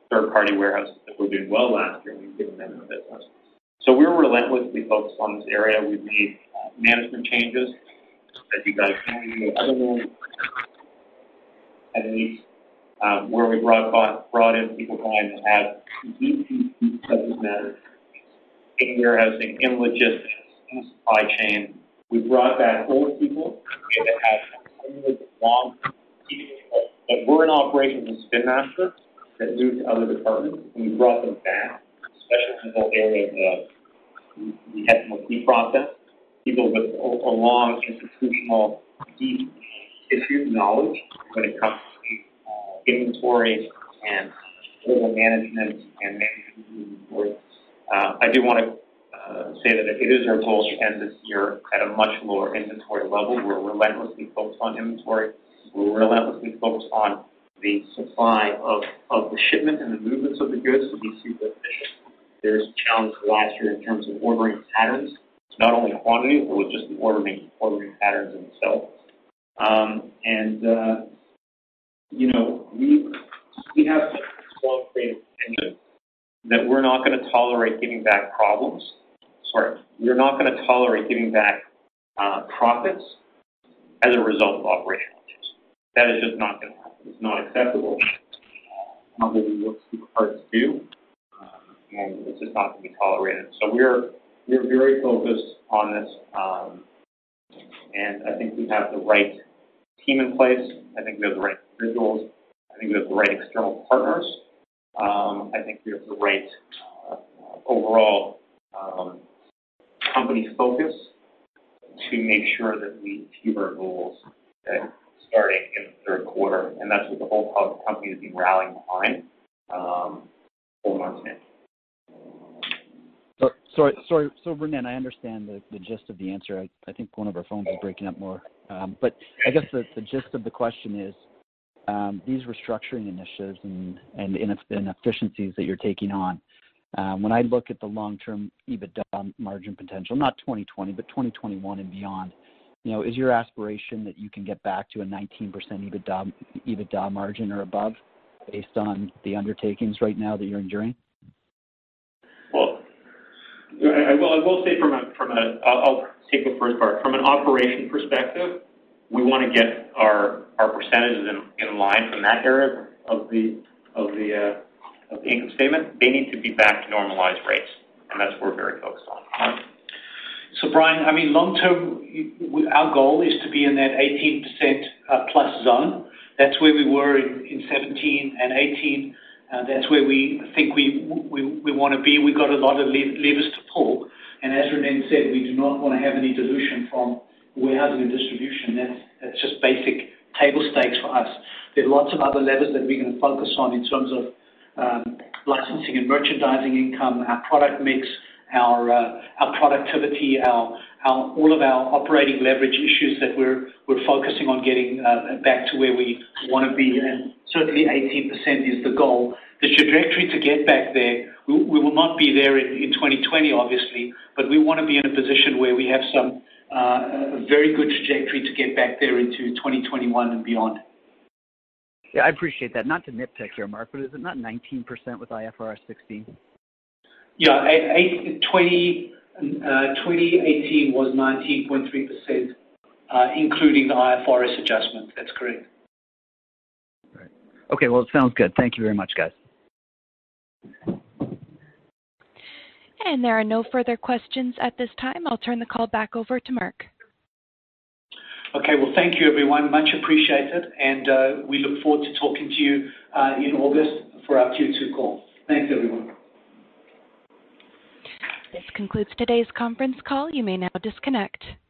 third-party warehouses that were doing well last year, and we've given them those business. We're relentlessly focused on this area. We've made management changes, as you guys know, at least where we brought in people, Brian, that have deep Spin Master experience in warehousing, in logistics, in supply chain. We brought back old people that had extremely long but weren't operational Spin Master that moved to other departments, and we brought them back, especially people in the area of the S&OP process, people with a long institutional, deep issue knowledge when it comes to inventory and order management and managing through inventory. I do want to say that it is our goal to end this year at a much lower inventory level. We're relentlessly focused on inventory. We're relentlessly focused on the supply of the shipment and the movements of the goods to be super efficient. There's challenges last year in terms of ordering patterns. It's not only quantity, but with just the ordering patterns themselves. We have such a strong frame of opinion that we're not going to tolerate giving back profits as a result of operational issues. That is just not going to happen. It's not acceptable. It's not what we work super hard to do. It's just not going to be tolerated. We're very focused on this. I think we have the right team in place. I think we have the right individuals. I think we have the right external partners. I think we have the right overall company focus to make sure that we hit our goals starting in the third quarter. That's what the whole company has been rallying behind for months now. Sorry, Ronnen, I understand the gist of the answer. I think one of our phones is breaking up more. I guess the gist of the question is, these restructuring initiatives and inefficiencies that you're taking on, when I look at the long-term EBITDA margin potential, not 2020, but 2021 and beyond, is your aspiration that you can get back to a 19% EBITDA margin or above based on the undertakings right now that you're enduring? Well, I'll take the first part. From an operation perspective, we want to get our percentages in line from that area of the income statement. They need to be back to normalized rates, and that's what we're very focused on. Brian, long term, our goal is to be in that 18% plus zone. That's where we were in 2017 and 2018. That's where we think we want to be. We've got a lot of levers to pull, and as Ronnen said, we do not want to have any dilution from warehousing and distribution. That's just basic table stakes for us. There are lots of other levers that we're going to focus on in terms of licensing and merchandising income, our product mix, our productivity, all of our operating leverage issues that we're focusing on getting back to where we want to be, and certainly 18% is the goal. The trajectory to get back there, we will not be there in 2020, obviously, but we want to be in a position where we have some very good trajectory to get back there into 2021 and beyond. Yeah, I appreciate that. Not to nitpick here, Mark, but is it not 19% with IFRS 16? Yeah. 2018 was 19.3%, including the IFRS adjustment. That's correct. Right. Okay, well, it sounds good. Thank you very much, guys. There are no further questions at this time. I'll turn the call back over to Mark. Okay. Well, thank you everyone. Much appreciated. We look forward to talking to you in August for our Q2 call. Thanks, everyone. This concludes today's conference call. You may now disconnect.